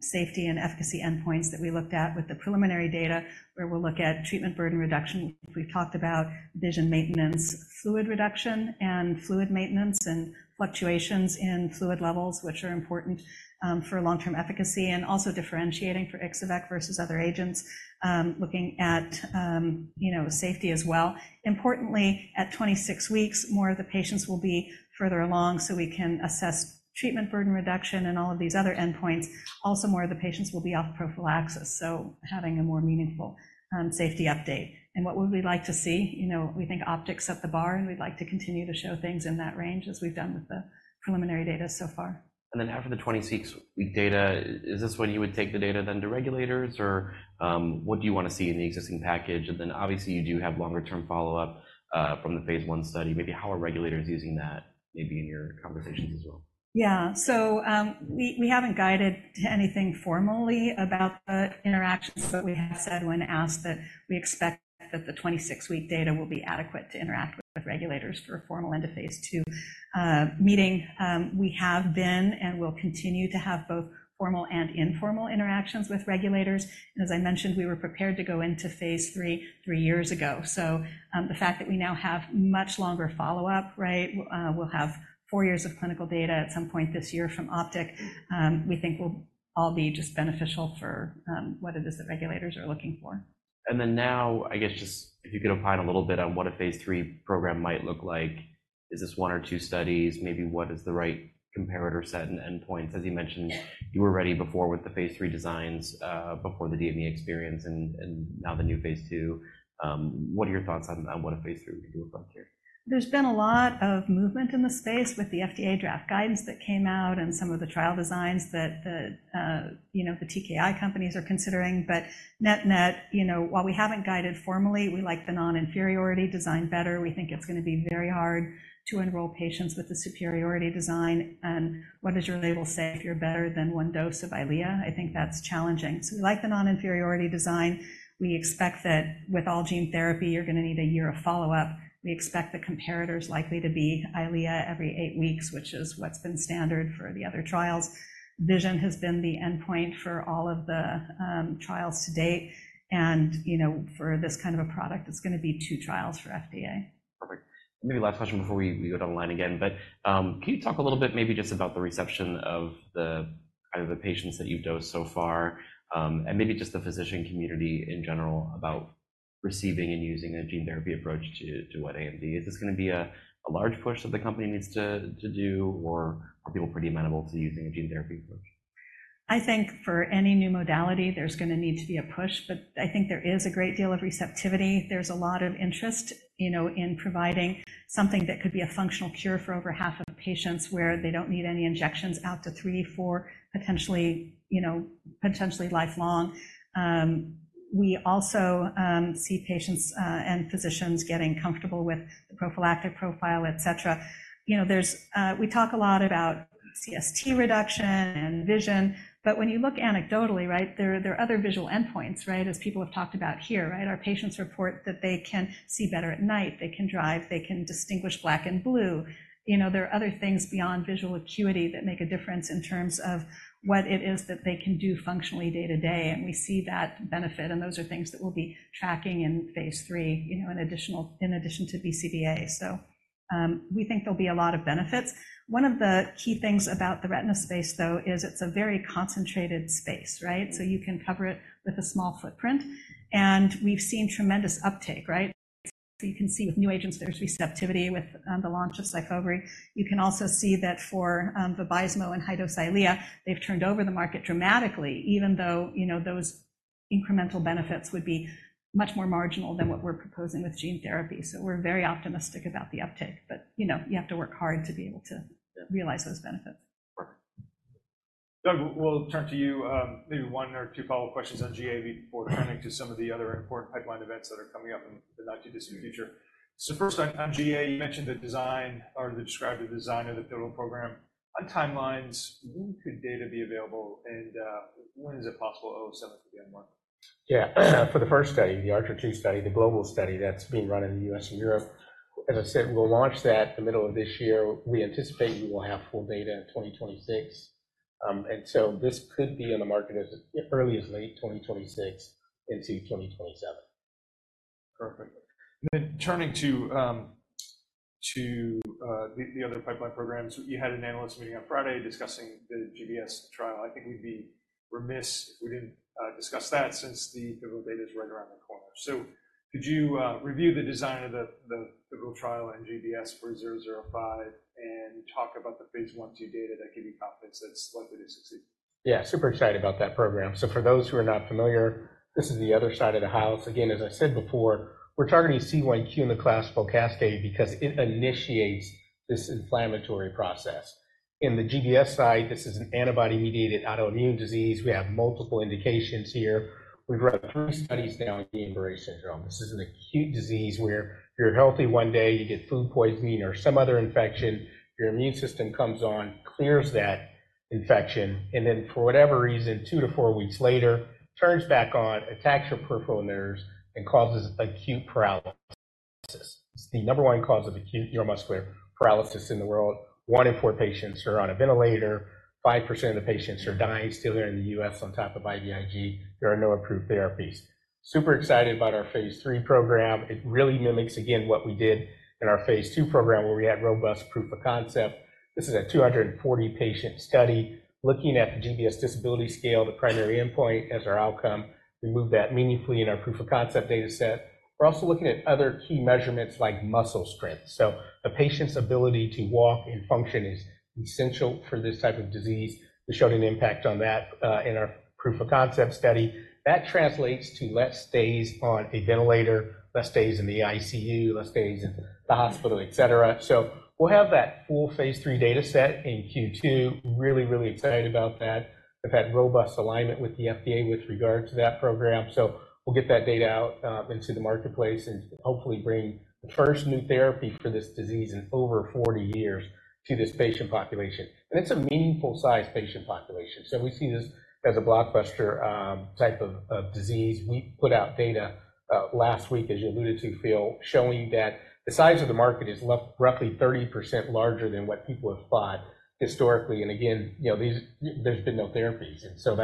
Speaker 3: safety and efficacy endpoints that we looked at with the preliminary data, where we'll look at treatment burden reduction. We've talked about vision maintenance, fluid reduction and fluid maintenance, and fluctuations in fluid levels, which are important for long-term efficacy, and also differentiating for Ixo-vec versus other agents, looking at safety as well. Importantly, at 26 weeks, more of the patients will be further along so we can assess treatment burden reduction and all of these other endpoints. Also, more of the patients will be off prophylaxis, so having a more meaningful safety update. And what would we like to see? We think OPTIC set the bar, and we'd like to continue to show things in that range as we've done with the preliminary data so far.
Speaker 2: And then after the 26-week data, is this when you would take the data then to regulators, or what do you want to see in the existing package? And then obviously, you do have longer-term follow-up from the phase I study. Maybe how are regulators using that, maybe in your conversations as well?
Speaker 3: Yeah. So we haven't guided to anything formally about the interactions, but we have said when asked that we expect that the 26-week data will be adequate to interact with regulators for a formal end of phase II meeting. We have been and will continue to have both formal and informal interactions with regulators. And as I mentioned, we were prepared to go into phase III 3 years ago. So the fact that we now have much longer follow-up, right? We'll have 4 years of clinical data at some point this year from OPTIC. We think we'll all be just beneficial for what it is that regulators are looking for.
Speaker 2: Then now, I guess, just if you could opine a little bit on what a phase III program might look like. Is this one or two studies? Maybe what is the right comparator set and endpoints? As you mentioned, you were ready before with the phase III designs before the DME experience, and now the new phase II. What are your thoughts on what a phase III would look like here?
Speaker 3: There's been a lot of movement in the space with the FDA draft guidance that came out and some of the trial designs that the TKI companies are considering. But net-net, while we haven't guided formally, we like the non-inferiority design better. We think it's going to be very hard to enroll patients with the superiority design. And what does your label say if you're better than one dose of Eylea? I think that's challenging. So we like the non-inferiority design. We expect that with all gene therapy, you're going to need a year of follow-up. We expect the comparators likely to be Eylea every eight weeks, which is what's been standard for the other trials. Vision has been the endpoint for all of the trials to date. And for this kind of a product, it's going to be two trials for FDA.
Speaker 2: Perfect. Maybe last question before we go down the line again. But can you talk a little bit, maybe just about the reception of the kind of the patients that you've dosed so far? And maybe just the physician community in general about receiving and using a gene therapy approach to wet AMD? Is this going to be a large push that the company needs to do, or are people pretty amenable to using a gene therapy approach?
Speaker 3: I think for any new modality, there's going to need to be a push. But I think there is a great deal of receptivity. There's a lot of interest in providing something that could be a functional cure for over half of patients where they don't need any injections out to 3, 4, potentially lifelong. We also see patients and physicians getting comfortable with the prophylactic profile, etc. We talk a lot about CST reduction and vision. But when you look anecdotally, right, there are other visual endpoints, right, as people have talked about here, right? Our patients report that they can see better at night. They can drive. They can distinguish black and blue. There are other things beyond visual acuity that make a difference in terms of what it is that they can do functionally day to day. And we see that benefit. Those are things that we'll be tracking in phase III in addition to BCVA. So we think there'll be a lot of benefits. One of the key things about the retina space, though, is it's a very concentrated space, right? So you can cover it with a small footprint. And we've seen tremendous uptake, right? So you can see with new agents, there's receptivity with the launch of Syfovre. You can also see that for Vabysmo and Eylea HD, they've turned over the market dramatically, even though those incremental benefits would be much more marginal than what we're proposing with gene therapy. So we're very optimistic about the uptake. But you have to work hard to be able to realize those benefits.
Speaker 1: Perfect. Doug, we'll turn to you. Maybe one or two follow-up questions on GA before turning to some of the other important pipeline events that are coming up in the not-too-distant future. So first, on GA, you mentioned the design or described the design of the pivotal program. On timelines, when could data be available? And when is it possible ANX007 to be on the market?
Speaker 4: Yeah. For the first study, the ARCHER II study, the global study that's being run in the U.S. and Europe, as I said, we'll launch that in the middle of this year. We anticipate we will have full data in 2026. And so this could be on the market as early as late 2026 into 2027.
Speaker 1: Perfect. Then turning to the other pipeline programs, you had an analyst meeting on Friday discussing the GBS trial. I think we'd be remiss if we didn't discuss that since the pivotal data is right around the corner. So could you review the design of the pivotal trial and GBS for 005 and talk about the phase I/II data that give you confidence that it's likely to succeed?
Speaker 4: Yeah, super excited about that program. So for those who are not familiar, this is the other side of the house. Again, as I said before, we're targeting C1q in the classical cascade because it initiates this inflammatory process. In the GBS side, this is an antibody-mediated autoimmune disease. We have multiple indications here. We've run three studies now on Guillain-Barré syndrome. This is an acute disease where you're healthy one day, you get food poisoning or some other infection, your immune system comes on, clears that infection, and then for whatever reason, 2-4 weeks later, turns back on, attacks your peripheral nerves, and causes acute paralysis. It's the number one cause of acute neuromuscular paralysis in the world. 1 in 4 patients are on a ventilator. 5% of the patients are dying still here in the U.S. on top of IVIG. There are no approved therapies. Super excited about our phase III program. It really mimics, again, what we did in our phase II program where we had robust proof of concept. This is a 240-patient study looking at the GBS disability scale, the primary endpoint as our outcome. We moved that meaningfully in our proof of concept dataset. We're also looking at other key measurements like muscle strength. So the patient's ability to walk and function is essential for this type of disease. We showed an impact on that in our proof of concept study. That translates to less days on a ventilator, less days in the ICU, less days in the hospital, etc. So we'll have that full phase III dataset in Q2. Really, really excited about that. We've had robust alignment with the FDA with regard to that program. So we'll get that data out into the marketplace and hopefully bring the first new therapy for this disease in over 40 years to this patient population. And it's a meaningful-sized patient population. So we see this as a blockbuster type of disease. We put out data last week, as you alluded to, Phil, showing that the size of the market is roughly 30% larger than what people have thought historically. And again, there's been no therapies. And so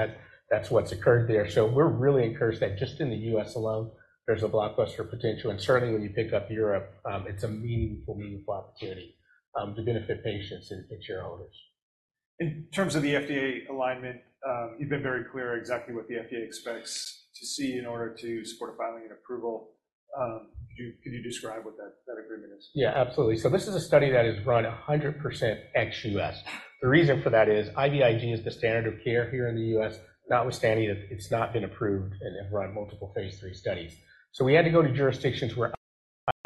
Speaker 4: that's what's occurred there. So we're really encouraged that just in the U.S. alone, there's a blockbuster potential. And certainly when you pick up Europe, it's a meaningful opportunity to benefit patients and shareholders.
Speaker 1: In terms of the FDA alignment, you've been very clear exactly what the FDA expects to see in order to support a filing and approval. Could you describe what that agreement is?
Speaker 4: Yeah, absolutely. So this is a study that is run 100% ex-U.S. The reason for that is IVIG is the standard of care here in the U.S., notwithstanding that it's not been approved and have run multiple phase III studies. So we had to go to jurisdictions where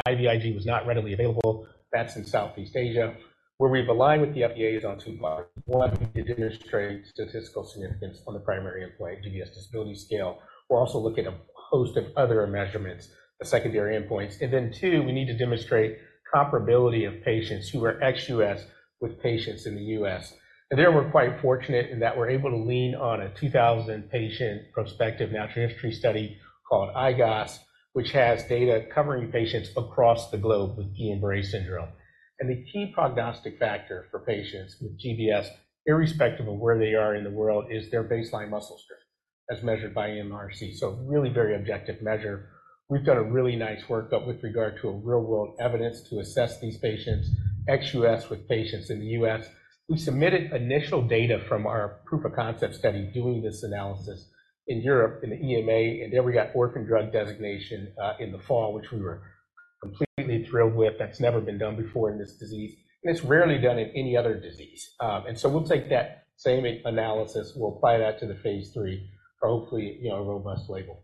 Speaker 4: IVIG was not readily available. That's in Southeast Asia. Where we've aligned with the FDA is on two parts. One, we need to demonstrate statistical significance on the primary endpoint, GBS disability scale. We'll also look at a host of other measurements, the secondary endpoints. And then two, we need to demonstrate comparability of patients who are ex-U.S. with patients in the U.S. And there we're quite fortunate in that we're able to lean on a 2,000-patient prospective natural history study called IGOS, which has data covering patients across the globe with Guillain-Barré syndrome. The key prognostic factor for patients with GBS, irrespective of where they are in the world, is their baseline muscle strength as measured by MRC. So really very objective measure. We've done a really nice workup with regard to real-world evidence to assess these patients, ex-US with patients in the US. We submitted initial data from our proof of concept study doing this analysis in Europe in the EMA. And there we got orphan drug designation in the fall, which we were completely thrilled with. That's never been done before in this disease. And it's rarely done in any other disease. And so we'll take that same analysis. We'll apply that to the phase III for hopefully a robust label.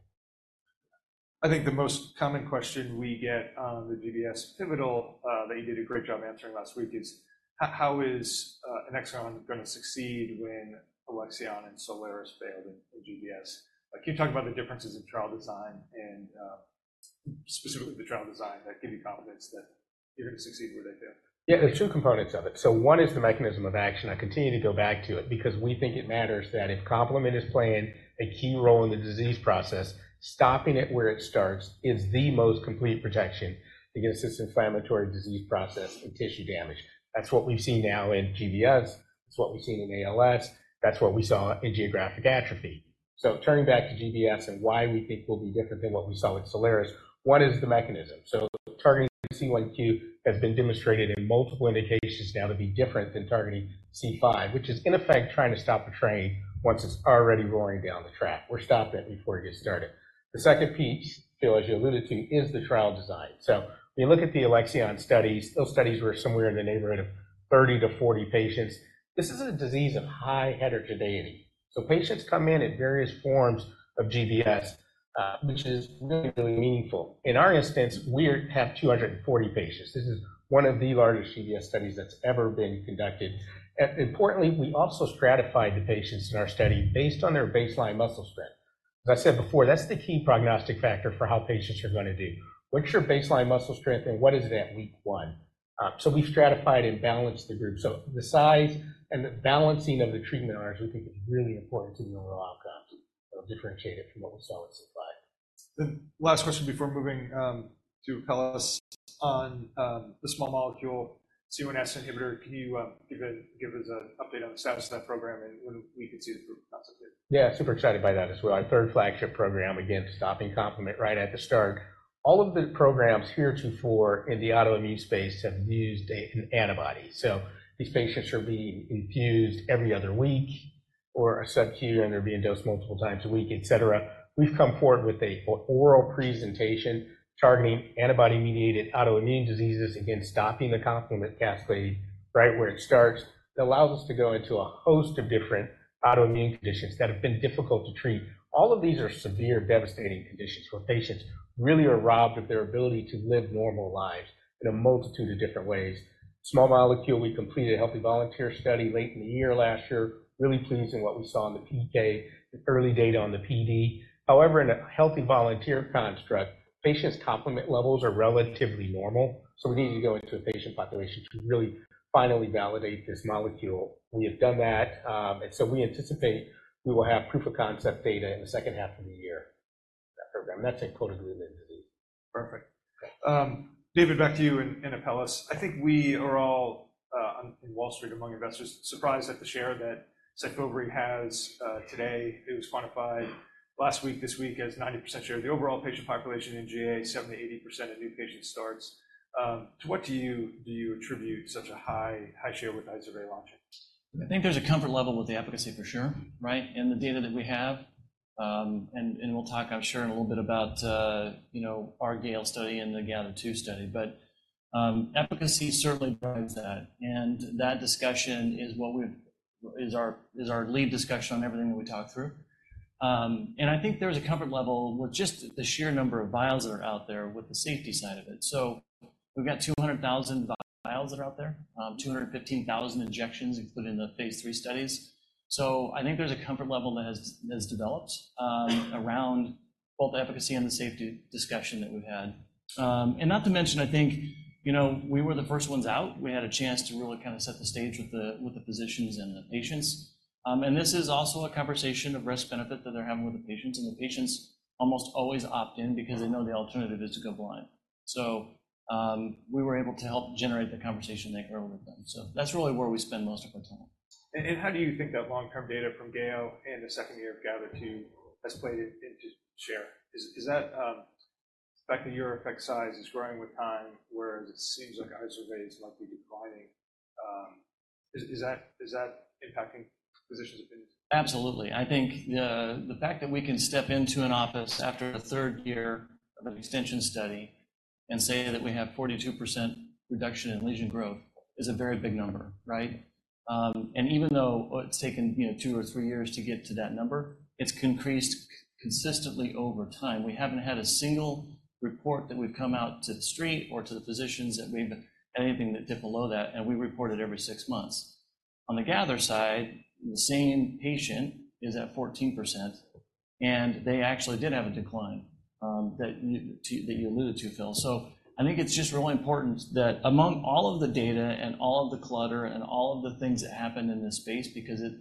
Speaker 1: I think the most common question we get on the GBS pivotal that you did a great job answering last week is, how is Annexon going to succeed when Alexion and Soliris failed in GBS? Can you talk about the differences in trial design and specifically the trial design that give you confidence that you're going to succeed where they fail?
Speaker 4: Yeah, there's two components of it. So one is the mechanism of action. I continue to go back to it because we think it matters that if complement is playing a key role in the disease process, stopping it where it starts is the most complete protection against this inflammatory disease process and tissue damage. That's what we've seen now in GBS. It's what we've seen in ALS. That's what we saw in Geographic Atrophy. So turning back to GBS and why we think we'll be different than what we saw with Soliris, one is the mechanism. So targeting C1q has been demonstrated in multiple indications now to be different than targeting C5, which is in effect trying to stop a train once it's already roaring down the track. We're stopping it before it gets started. The second piece, Phil, as you alluded to, is the trial design. So when you look at the Alexion studies, those studies were somewhere in the neighborhood of 30-40 patients. This is a disease of high heterogeneity. So patients come in at various forms of GBS, which is really, really meaningful. In our instance, we have 240 patients. This is one of the largest GBS studies that's ever been conducted. Importantly, we also stratified the patients in our study based on their baseline muscle strength. As I said before, that's the key prognostic factor for how patients are going to do. What's your baseline muscle strength and what is it at week 1? So we've stratified and balanced the group. So the size and the balancing of the treatment hours, we think it's really important to the overall outcome to differentiate it from what we saw in C5.
Speaker 1: Last question before moving to Apellis on the small molecule C1s inhibitor, can you give us an update on the status of that program and when we could see the proof of concept here?
Speaker 4: Yeah, super excited by that as well. Our third flagship program, again, stopping complement right at the start. All of the programs here too for in the autoimmune space have used an antibody. So these patients are being infused every other week or a subcu and they're being dosed multiple times a week, etc. We've come forth with an oral presentation targeting antibody-mediated autoimmune diseases against stopping the complement cascade, right where it starts. That allows us to go into a host of different autoimmune conditions that have been difficult to treat. All of these are severe, devastating conditions where patients really are robbed of their ability to live normal lives in a multitude of different ways. Small molecule, we completed a healthy volunteer study late in the year last year, really pleasing what we saw in the PK, the early data on the PD. However, in a healthy volunteer construct, patients' complement levels are relatively normal. So we need to go into a patient population to really finally validate this molecule. We have done that. And so we anticipate we will have proof of concept data in the second half of the year for that program. That's in Cold Agglutinin Disease.
Speaker 1: Perfect. David, back to you and Apellis. I think we are all in Wall Street among investors surprised at the share that Syfovre has today. It was quantified last week, this week as 90% share. The overall patient population in GA, 70-80% of new patients starts. To what do you attribute such a high share with Izervay launching?
Speaker 5: I think there's a comfort level with the efficacy for sure, right, in the data that we have. And we'll talk, I'm sure, in a little bit about our GALE study and the GATHER2 study. But efficacy certainly drives that. And that discussion is what is our lead discussion on everything that we talk through. And I think there's a comfort level that has developed around both the efficacy and the safety discussion that we've had. And not to mention, I think we were the first ones out. We had a chance to really kind of set the stage with the physicians and the patients. This is also a conversation of risk-benefit that they're having with the patients. The patients almost always opt in because they know the alternative is to go blind. We were able to help generate the conversation they heard with them. That's really where we spend most of our time.
Speaker 1: How do you think that long-term data from GALE and the second year of GATHER2 has played into share? Is that the fact that your effect size is growing with time, whereas it seems like Izervay is likely declining? Is that impacting physicians' opinions?
Speaker 5: Absolutely. I think the fact that we can step into an office after a third year of an extension study and say that we have 42% reduction in lesion growth is a very big number, right? And even though it's taken two or three years to get to that number, it's increased consistently over time. We haven't had a single report that we've come out to the street or to the physicians that we've anything that dipped below that. And we report it every six months. On the GATHER side, the same patient is at 14%. And they actually did have a decline that you alluded to, Phil. So I think it's just really important that among all of the data and all of the clutter and all of the things that happened in this space, because it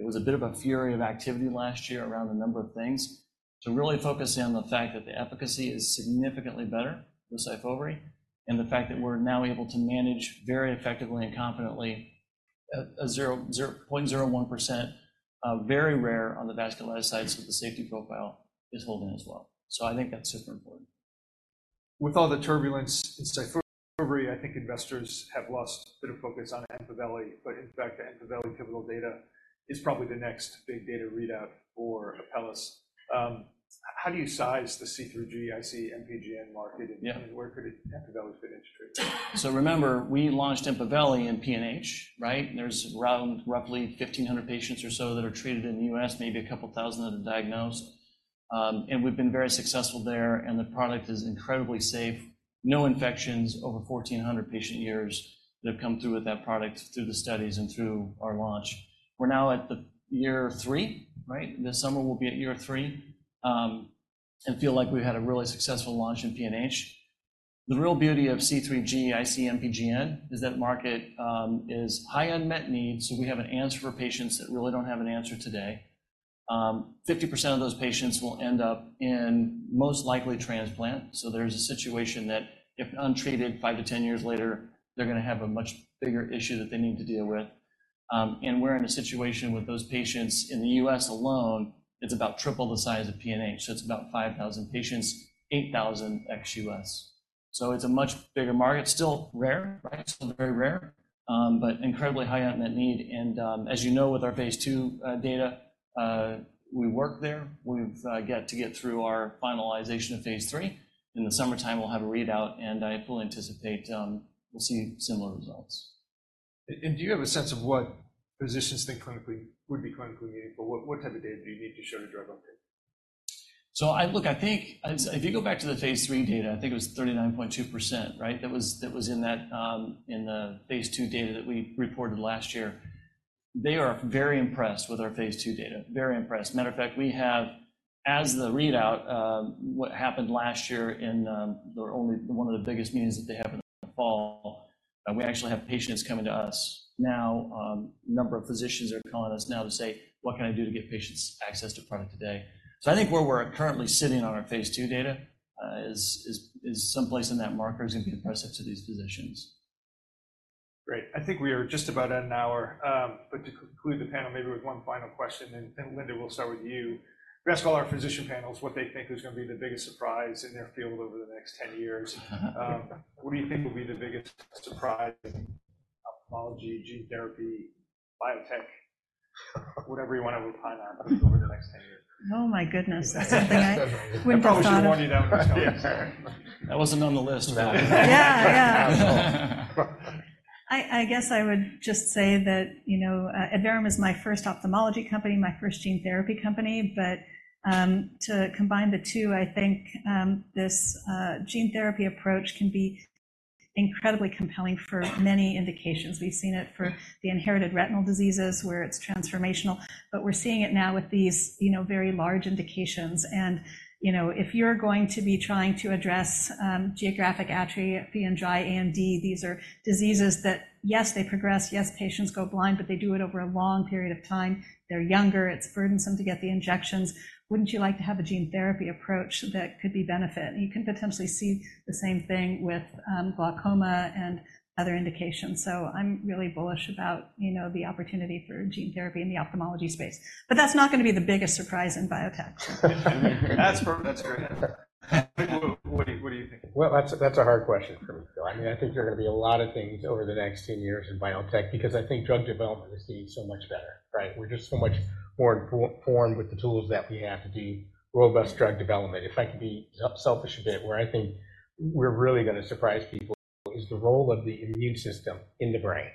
Speaker 5: was a bit of a fury of activity last year around a number of things, to really focus in on the fact that the efficacy is significantly better with Syfovre and the fact that we're now able to manage very effectively and confidently 0.01%, very rare on the vasculitis side with the safety profile is holding as well. So I think that's super important.
Speaker 1: With all the turbulence in Syfovre, I think investors have lost a bit of focus on Empaveli. But in fact, the Empaveli pivotal data is probably the next big data readout for Apellis. How do you size the C3G, IC-MPGN market? And where could Empaveli fit into treatment?
Speaker 2: So remember, we launched Empaveli in PNH, right? There's roughly 1,500 patients or so that are treated in the U.S., maybe a couple thousand that are diagnosed. And we've been very successful there. And the product is incredibly safe. No infections over 1,400 patient years that have come through with that product through the studies and through our launch. We're now at year three, right? This summer we'll be at year three and feel like we've had a really successful launch in PNH. The real beauty of C3G, IC-MPGN is that market is high unmet need. So we have an answer for patients that really don't have an answer today. 50% of those patients will end up in most likely transplant. So there's a situation that if untreated, 5-10 years later, they're going to have a much bigger issue that they need to deal with. We're in a situation with those patients in the U.S. alone; it's about triple the size of PNH. So it's about 5,000 patients, 8,000 ex-US. So it's a much bigger market, still rare, right? Still very rare, but incredibly high unmet need. And as you know, with our phase II data, we work there. We've got to get through our finalization of phase III. In the summertime, we'll have a readout. And I fully anticipate we'll see similar results.
Speaker 1: Do you have a sense of what physicians think would be clinically meaningful? What type of data do you need to show to drug update?
Speaker 2: So look, I think if you go back to the phase III data, I think it was 39.2%, right? That was in the phase II data that we reported last year. They are very impressed with our phase II data, very impressed. Matter of fact, we have, as the readout, what happened last year in one of the biggest meetings that they have in the fall, we actually have patients coming to us now. A number of physicians are calling us now to say, "What can I do to get patients access to product today?" So I think where we're currently sitting on our phase II data is someplace in that marker is going to be impressive to these physicians.
Speaker 1: Great. I think we are just about an hour. But to conclude the panel, maybe with one final question. And Linda, we'll start with you. We ask all our physician panels what they think is going to be the biggest surprise in their field over the next 10 years. What do you think will be the biggest surprise in ophthalmology, gene therapy, biotech, whatever you want to opine on over the next 10 years?
Speaker 3: Oh my goodness. That's something I wouldn't have thought of.
Speaker 1: That wasn't on the list, but.
Speaker 3: Yeah, yeah. I guess I would just say that Adverum is my first ophthalmology company, my first gene therapy company. But to combine the two, I think this gene therapy approach can be incredibly compelling for many indications. We've seen it for the inherited retinal diseases where it's transformational. But we're seeing it now with these very large indications. And if you're going to be trying to address Geographic Atrophy and dry AMD, these are diseases that, yes, they progress. Yes, patients go blind, but they do it over a long period of time. They're younger. It's burdensome to get the injections. Wouldn't you like to have a gene therapy approach that could be benefit? And you can potentially see the same thing with glaucoma and other indications. So I'm really bullish about the opportunity for gene therapy in the ophthalmology space. That's not going to be the biggest surprise in biotech.
Speaker 1: That's great. What do you think?
Speaker 4: Well, that's a hard question for me, Phil. I mean, I think there are going to be a lot of things over the next 10 years in biotech because I think drug development is being so much better, right? We're just so much more informed with the tools that we have to do robust drug development. If I can be selfish a bit, where I think we're really going to surprise people is the role of the immune system in the brain.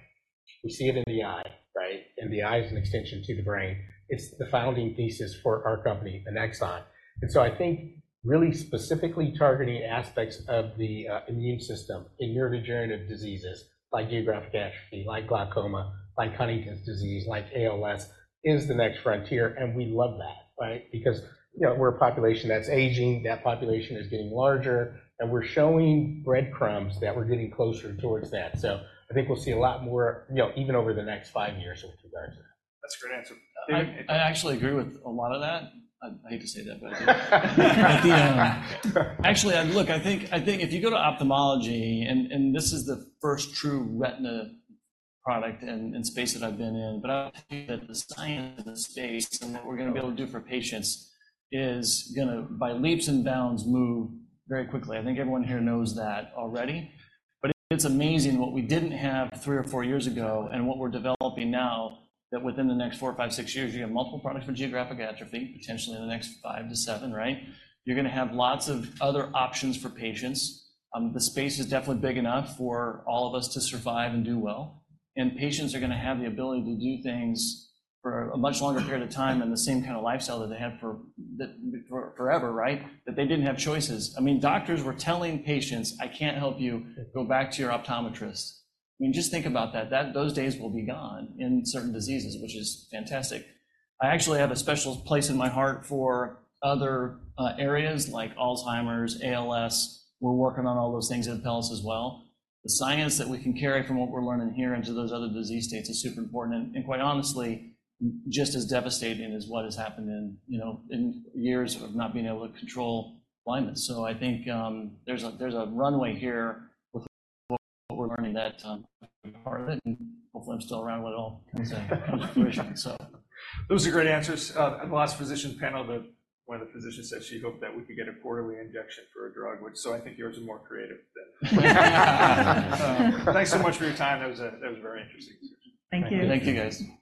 Speaker 4: We see it in the eye, right? And the eye is an extension to the brain. It's the founding thesis for our company, Annexon. And so I think really specifically targeting aspects of the immune system in neurodegenerative diseases like Geographic Atrophy, like glaucoma, like Huntington's disease, like ALS is the next frontier. And we love that, right? Because we're a population that's aging. That population is getting larger. We're showing breadcrumbs that we're getting closer towards that. I think we'll see a lot more even over the next five years with regards to that.
Speaker 1: That's a great answer.
Speaker 5: I actually agree with a lot of that. I hate to say that, but I do. Actually, look, I think if you go to ophthalmology, and this is the first true retina product and space that I've been in, but I think that the science of the space and what we're going to be able to do for patients is going to, by leaps and bounds, move very quickly. I think everyone here knows that already. But it's amazing what we didn't have three or four years ago and what we're developing now, that within the next four, five, six years, you have multiple products for Geographic Atrophy, potentially in the next five to seven, right? You're going to have lots of other options for patients. The space is definitely big enough for all of us to survive and do well. And patients are going to have the ability to do things for a much longer period of time in the same kind of lifestyle that they had forever, right? That they didn't have choices. I mean, doctors were telling patients, "I can't help you. Go back to your optometrist." I mean, just think about that. Those days will be gone in certain diseases, which is fantastic. I actually have a special place in my heart for other areas like Alzheimer's, ALS. We're working on all those things at Apellis as well. The science that we can carry from what we're learning here into those other disease states is super important. And quite honestly, just as devastating as what has happened in years of not being able to control blindness. So I think there's a runway here with what we're learning that part of it. Hopefully, I'm still around when it all comes to fruition, so.
Speaker 1: Those are great answers. The last physician panel, one of the physicians said she hoped that we could get a quarterly injection for a drug, which, so I think yours are more creative than. Thanks so much for your time. That was a very interesting discussion.
Speaker 3: Thank you.
Speaker 5: Thank you guys.